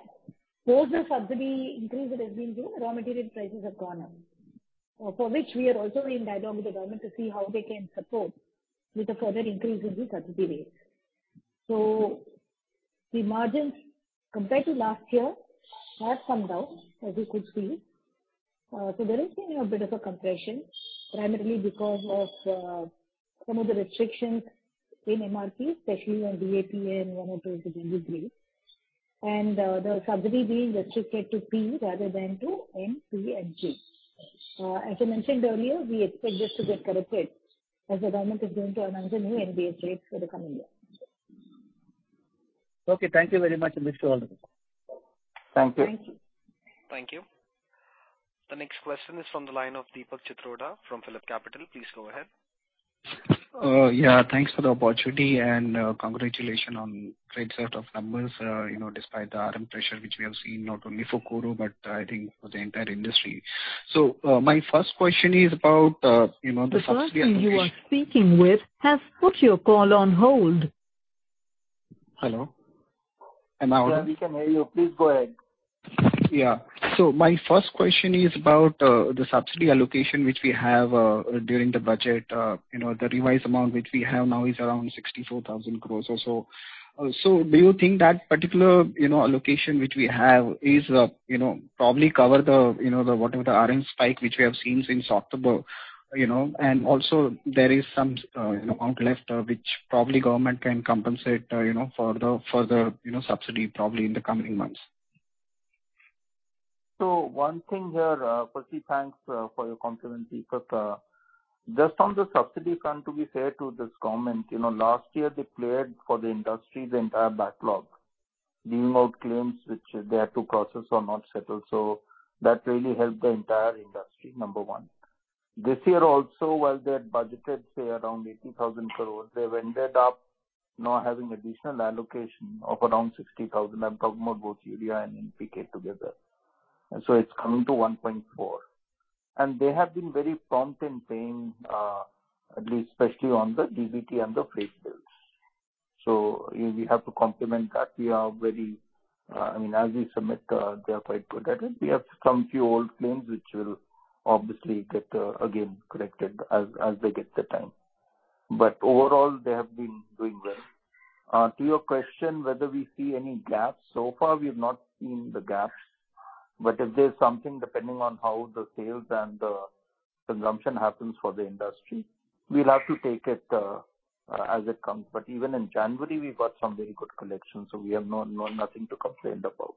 post the subsidy increase that has been given, raw material prices have gone up. For which we are also in dialogue with the government to see how they can support with the further increase in the subsidy rates. The margins compared to last year have come down, as you could see. There has been a bit of a compression primarily because of some of the restrictions in MRP, especially on DAP and monoammonium phosphate. The subsidy being restricted to P rather than to N, P and K. As I mentioned earlier, we expect this to get corrected as the Government is going to announce the new NBS rates for the coming year. Okay. Thank you very much indeed to all of you. Thank you. Thank you. Thank you. The next question is on the line of Deepak Chitroda from PhillipCapital. Please go ahead. Yeah, thanks for the opportunity and, congratulations on great set of numbers, you know, despite the RM pressure, which we have seen not only for Coro, but I think for the entire industry. My first question is about, you know, the subsidy. The party you are speaking with has put your call on hold. Hello? Am I on? Yeah. We can hear you. Please go ahead. My first question is about the subsidy allocation which we have during the budget. You know, the revised amount which we have now is around 64,000 crore or so. Do you think that particular, you know, allocation which we have is probably cover the, you know, the whatever the RM spike which we have seen since October, you know? Also there is some, you know, amount left, which probably government can compensate, you know, for the, for the, you know, subsidy probably in the coming months. One thing here. Firstly, thanks for your confidence, Deepak. Just on the subsidy front, to be fair to this government, you know, last year they cleared for the industry the entire backlog, giving out claims which they had to process or not settle. That really helped the entire industry, number one. This year also, while they had budgeted, say, around 18,000 crore, they've ended up now having additional allocation of around 60,000 crore. I'm talking about both urea and NPK together. It's coming to 1.4 lakh crore. They have been very prompt in paying, at least especially on the DBT and the freight bills. We have to compliment that. I mean, as we submit, they are quite good at it. We have some few old claims which will obviously get again corrected as they get the time. Overall they have been doing well. To your question whether we see any gaps, so far we've not seen the gaps. If there's something depending on how the sales and the consumption happens for the industry, we'll have to take it as it comes. Even in January we got some very good collections, so we have nothing to complain about.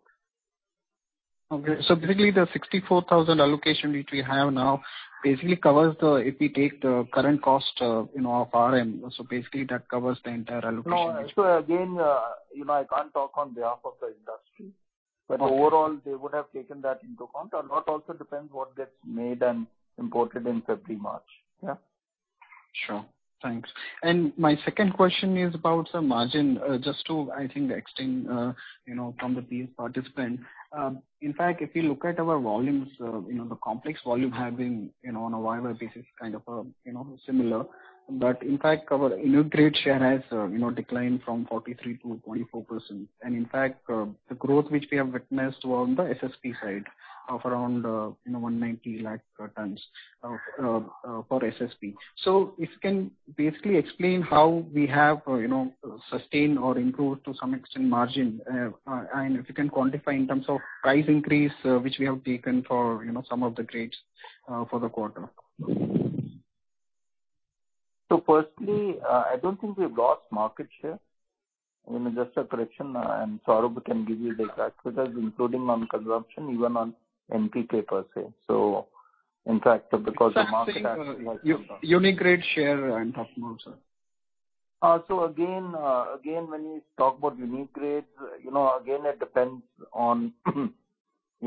Okay. Basically the 64,000 allocation which we have now basically covers the, if we take the current cost, you know, of RM. Basically that covers the entire allocation. No. Again, you know, I can't talk on behalf of the industry. Okay. Overall they would have taken that into account. A lot also depends on what gets made and imported in February, March. Yeah. Sure. Thanks. My second question is about the margin. Just to the extent, I think, you know, from the previous participant. In fact if you look at our volumes, you know, the complex volume have been, you know, on a YoY basis kind of, you know, similar. In fact our unique grade share has, you know, declined from 43% to 24%. In fact, the growth which we have witnessed were on the SSP side of around, you know, 190 lakh tons of SSP. If you can basically explain how we have, you know, sustained or improved to some extent margin. If you can quantify in terms of price increase, which we have taken for, you know, some of the grades, for the quarter. First, I don't think we've lost market share. You know, just a correction. Saurabh can give you the exact figures including on consumption even on NPK per se. In fact, because the market. Unique grade share I'm talking about, sir. Again, when you talk about unique grades, you know, it depends, you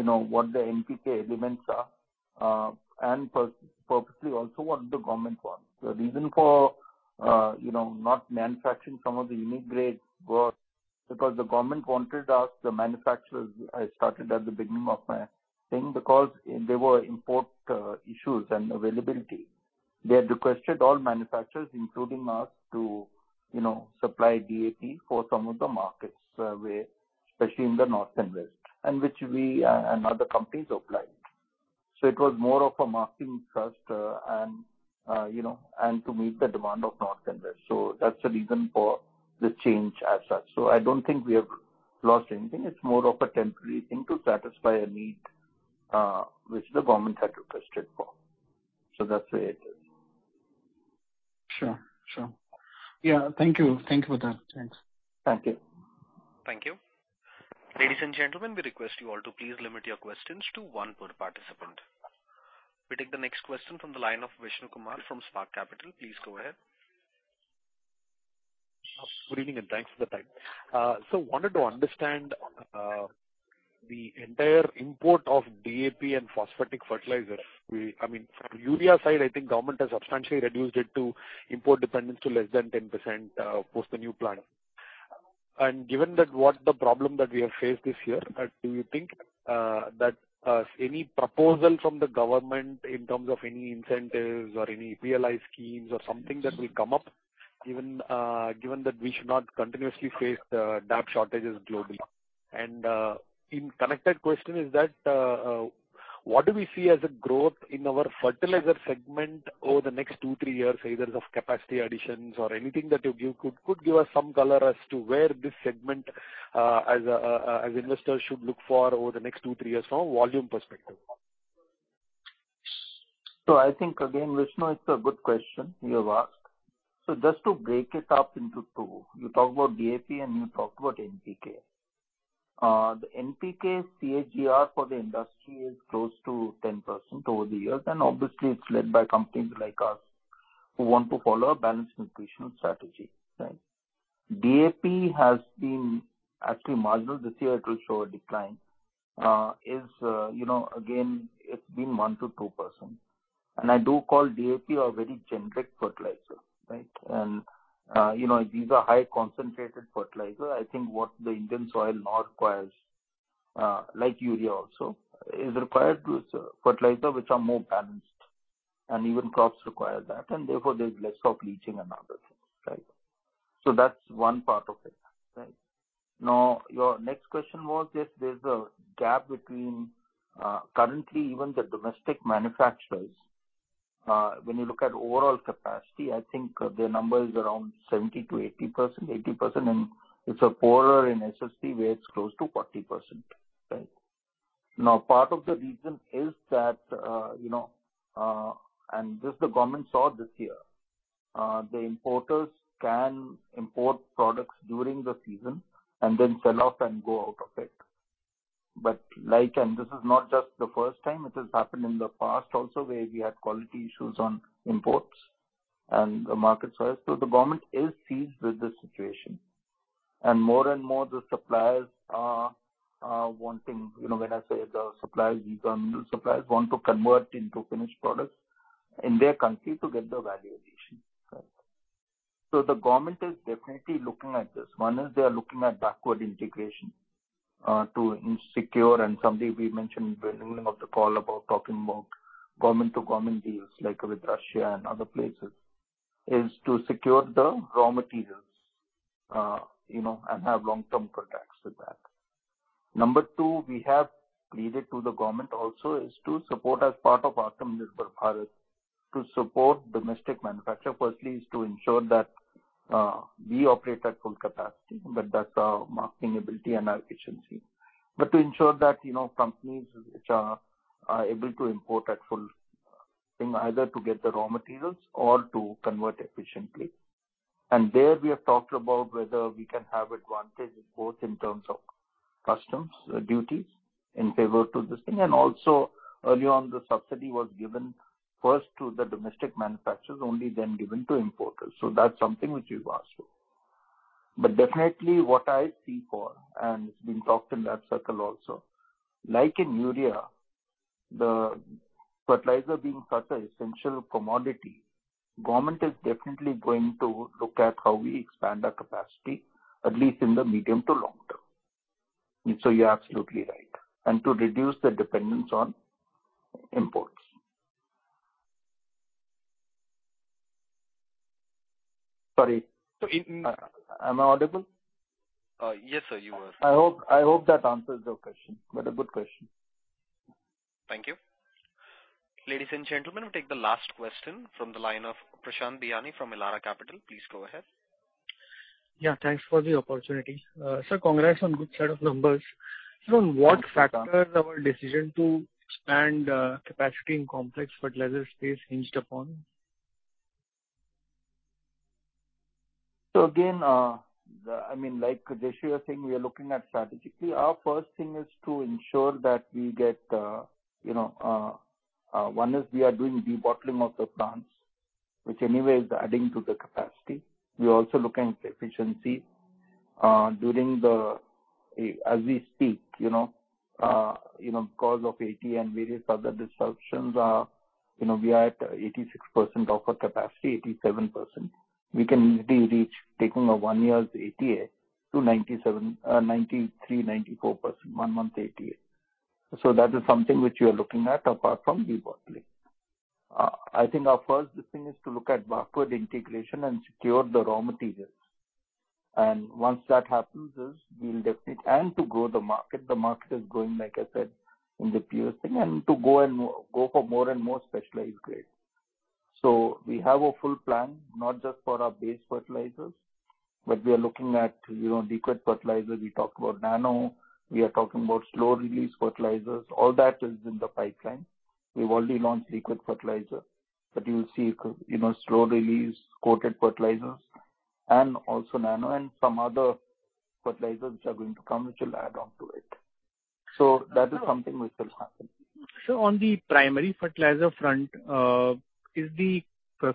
know, what the NPK elements are. Purposely also what the government wants. The reason for, you know, not manufacturing some of the unique grades was because the government wanted us, the manufacturers. I started at the beginning of my thing, because there were import issues and availability. They had requested all manufacturers including us to, you know, supply DAP for some of the markets, where especially in the North and West, and which we and other companies obliged. It was more of a marketing thrust, and, you know, and to meet the demand of North and West. That's the reason for this change as such. I don't think we have lost anything. It's more of a temporary thing to satisfy a need, which the government had requested for. That's the way it is. Sure. Yeah. Thank you for that. Thanks. Thank you. Thank you. Ladies and gentlemen, we request you all to please limit your questions to one per participant. We take the next question from the line of Vishnu Kumar from Spark Capital. Please go ahead. Good evening, and thanks for the time. Wanted to understand the entire import of DAP and phosphatic fertilizers. I mean, from urea side, I think government has substantially reduced it to import dependence to less than 10%, post the new plan. Given that, what's the problem that we have faced this year? Do you think that any proposal from the government in terms of any incentives or any PLI schemes or something that will come up even given that we should not continuously face the DAP shortages globally? A connected question is that, what do we see as a growth in our fertilizer segment over the next 2-3 years, either of capacity additions or anything that you give could give us some color as to where this segment, as investors should look for over the next 2-3 years from a volume perspective. I think again, Vishnu, it's a good question you have asked. Just to break it up into two. You talked about DAP and you talked about NPK. The NPK CAGR for the industry is close to 10% over the years, and obviously it's led by companies like us who want to follow a balanced nutritional strategy. Right? DAP has been actually marginal. This year it will show a decline. You know, again, it's been 1%-2%. I do call DAP a very generic fertilizer, right? You know, these are high concentrated fertilizer. I think what the Indian soil now requires, like urea also, is required with fertilizer which are more balanced and even crops require that. Therefore there's less of leaching and other things, right? That's one part of it, right? Now, your next question was if there's a gap between currently even the domestic manufacturers when you look at overall capacity. I think the number is around 70%-80%, and it's lower in SSP where it's close to 40%. Right? Now, part of the reason is that you know this year the government saw the importers can import products during the season and then sell off and go out of it. Like this is not just the first time. It has happened in the past also where we had quality issues on imports and the market size. The government is seized with this situation. More and more the suppliers are wanting, you know, when I say the suppliers, we turn into suppliers want to convert into finished products in their country to get the value addition. Right? The government is definitely looking at this. One is they are looking at backward integration to secure and something we mentioned in the beginning of the call about talking about government to government deals like with Russia and other places, is to secure the raw materials, you know, and have long-term contracts with that. Number two, we have pleaded to the government also is to support as part of Atmanirbhar Bharat to support domestic manufacturer. Firstly is to ensure that we operate at full capacity, but that's our marketing ability and our efficiency. To ensure that, you know, companies which are able to import at full thing either to get the raw materials or to convert efficiently. There we have talked about whether we can have advantage both in terms of customs duties in favor to this thing. Also early on the subsidy was given first to the domestic manufacturers, only then given to importers. That's something which we've asked for. Definitely what I see for and it's been talked in that circle also, like in urea, the fertilizer being such a essential commodity, government is definitely going to look at how we expand our capacity at least in the medium to long term. You're absolutely right. To reduce the dependence on imports. Sorry. Am I audible? Yes, sir, you are. I hope that answers your question. A good question. Thank you. Ladies and gentlemen, we take the last question from the line of Prashant Biyani from Elara Capital. Please go ahead. Yeah, thanks for the opportunity. Sir, congrats on good set of numbers. On what factor is our decision to expand capacity in complex fertilizer space hinged upon? Again, I mean, like Jayashree was saying, we are looking at strategically. Our first thing is to ensure that we get, one is we are doing debottling of the plants, which anyway is adding to the capacity. We are also looking at efficiency. As we speak, you know, because of ATA and various other disruptions, you know, we are at 86% of our capacity, 87%. We can easily reach taking a one year's ATA to 97%, 93%-94%, one month ATA. That is something which we are looking at apart from debottling. I think our first thing is to look at backward integration and secure the raw materials. Once that happens, we'll definitely and to grow the market. The market is growing like I said in the previous thing and to go for more and more specialized grades. We have a full plan not just for our base fertilizers, but we are looking at, you know, liquid fertilizers. We talk about nano, we are talking about slow release fertilizers. All that is in the pipeline. We've already launched liquid fertilizer. You'll see, you know, slow release coated fertilizers and also nano and some other fertilizers which are going to come which will add on to it. That is something which will happen. Sir, on the primary fertilizer front, is the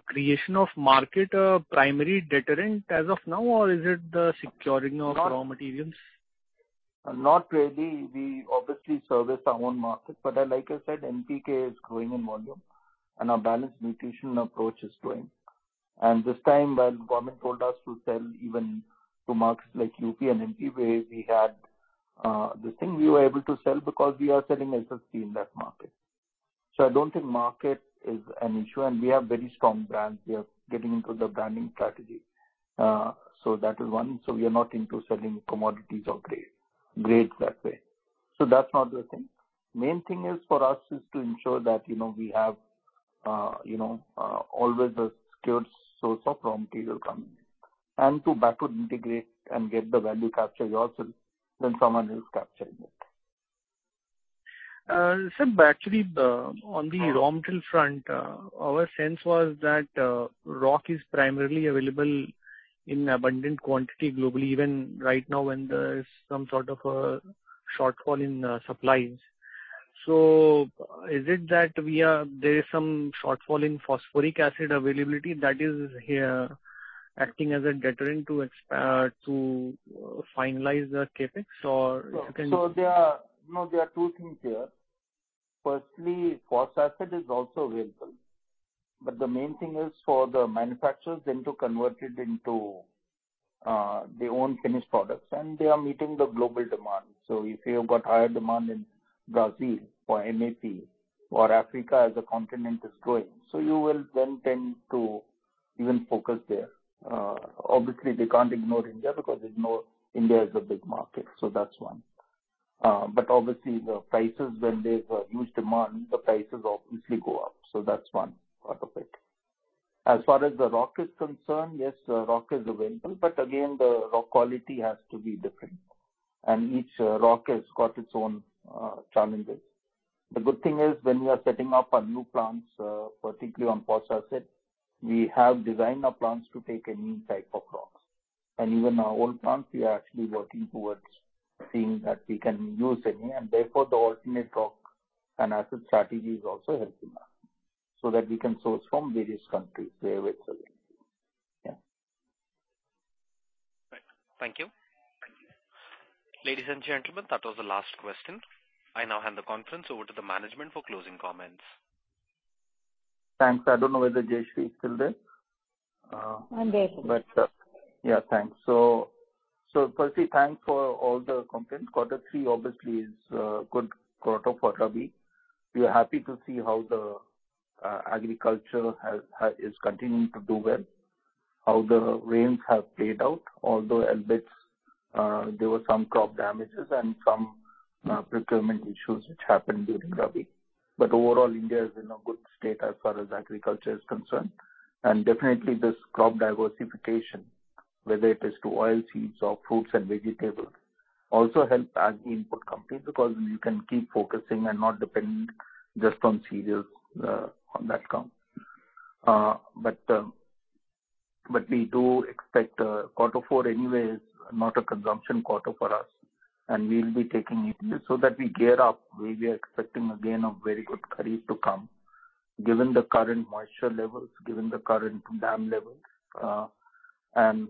creation of market a primary deterrent as of now or is it the securing of raw materials? Not really. We obviously service our own markets. Like I said, NPK is growing in volume and our balanced nutrition approach is growing. This time when government told us to sell even to markets like UP and MP where we had this thing we were able to sell because we are selling SSP in that market. I don't think market is an issue and we have very strong brands. We are getting into the branding strategy. That is one. We are not into selling commodities or grades that way. That's not the thing. Main thing for us is to ensure that, you know, we have, you know, always a secured source of raw material coming in to backward integrate and get the value capture yourself than someone else capturing it. Sir, actually, on the raw material front, our sense was that rock is primarily available in abundant quantity globally even right now when there is some sort of a shortfall in supplies. Is it that there is some shortfall in phosphoric acid availability that is here acting as a deterrent to finalize the CapEx or if you can? There are two things here. Firstly, phos acid is also available, but the main thing is for the manufacturers then to convert it into their own finished products and they are meeting the global demand. If you have got higher demand in Brazil for MAP or Africa as a continent is growing, you will then tend to even focus there. Obviously they can't ignore India because they know India is a big market, that's one. Obviously the prices when there's a huge demand, the prices obviously go up. That's one part of it. As far as the rock is concerned, yes, the rock is available, but again, the rock quality has to be different and each rock has got its own challenges. The good thing is when we are setting up our new plants, particularly on phosphate, we have designed our plants to take any type of rocks. Even our old plants, we are actually working towards seeing that we can use any and therefore the alternate rock and acid strategy is also helping us, so that we can source from various countries wherever it's available. Right. Thank you. Ladies and gentlemen, that was the last question. I now hand the conference over to the management for closing comments. Thanks. I don't know whether Jayashree is still there. I'm there. Yeah, thanks. Firstly, thanks for all the comments. Quarter three obviously is a good quarter for rabi. We are happy to see how the agriculture is continuing to do well, how the rains have played out. Although amidst, there were some crop damages and some procurement issues which happened during rabi. Overall, India is in a good state as far as agriculture is concerned. Definitely this crop diversification, whether it is to oilseeds or fruits and vegetables, also help as input companies because you can keep focusing and not dependent just on cereals, on that count. we do expect, quarter four anyway is not a consumption quarter for us, and we will be taking it easy so that we gear up. We are expecting again a very good kharif to come. Given the current moisture levels, given the current dam levels, and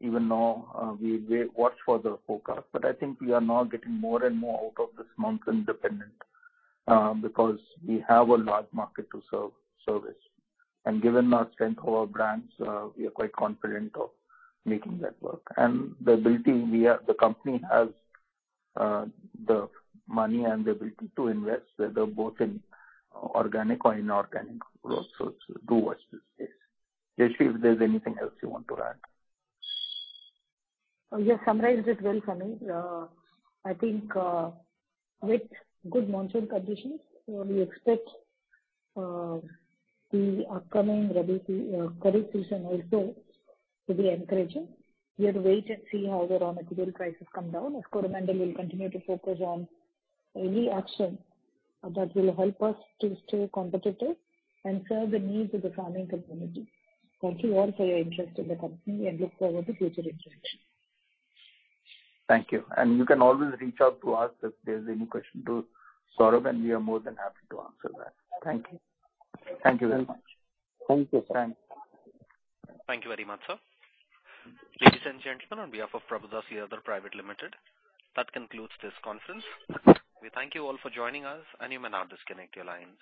even though we watch for the forecast. I think we are now getting more and more out of this monsoon dependent, because we have a large market to serve. Given our strength of our brands, we are quite confident of making that work. The ability we have—the company has, the money and the ability to invest, whether both in organic or inorganic growth. Do watch this space. Jayashree, if there's anything else you want to add. You have summarized it well, Sameer I think, with good monsoon conditions, we expect the upcoming kharif season also to be encouraging. We have to wait and see how the raw material prices come down. Of course, Coromandel will continue to focus on any action that will help us to stay competitive and serve the needs of the farming community. Thank you all for your interest in the company and look forward to future interaction. Thank you. You can always reach out to us if there's any question to Saurabh, and we are more than happy to answer that. Thank you. Thank you very much. Thank you. Thanks. Thank you very much, sir. Ladies and gentlemen, on behalf of Prabhudas Lilladher Private Limited, that concludes this conference. We thank you all for joining us, and you may now disconnect your lines.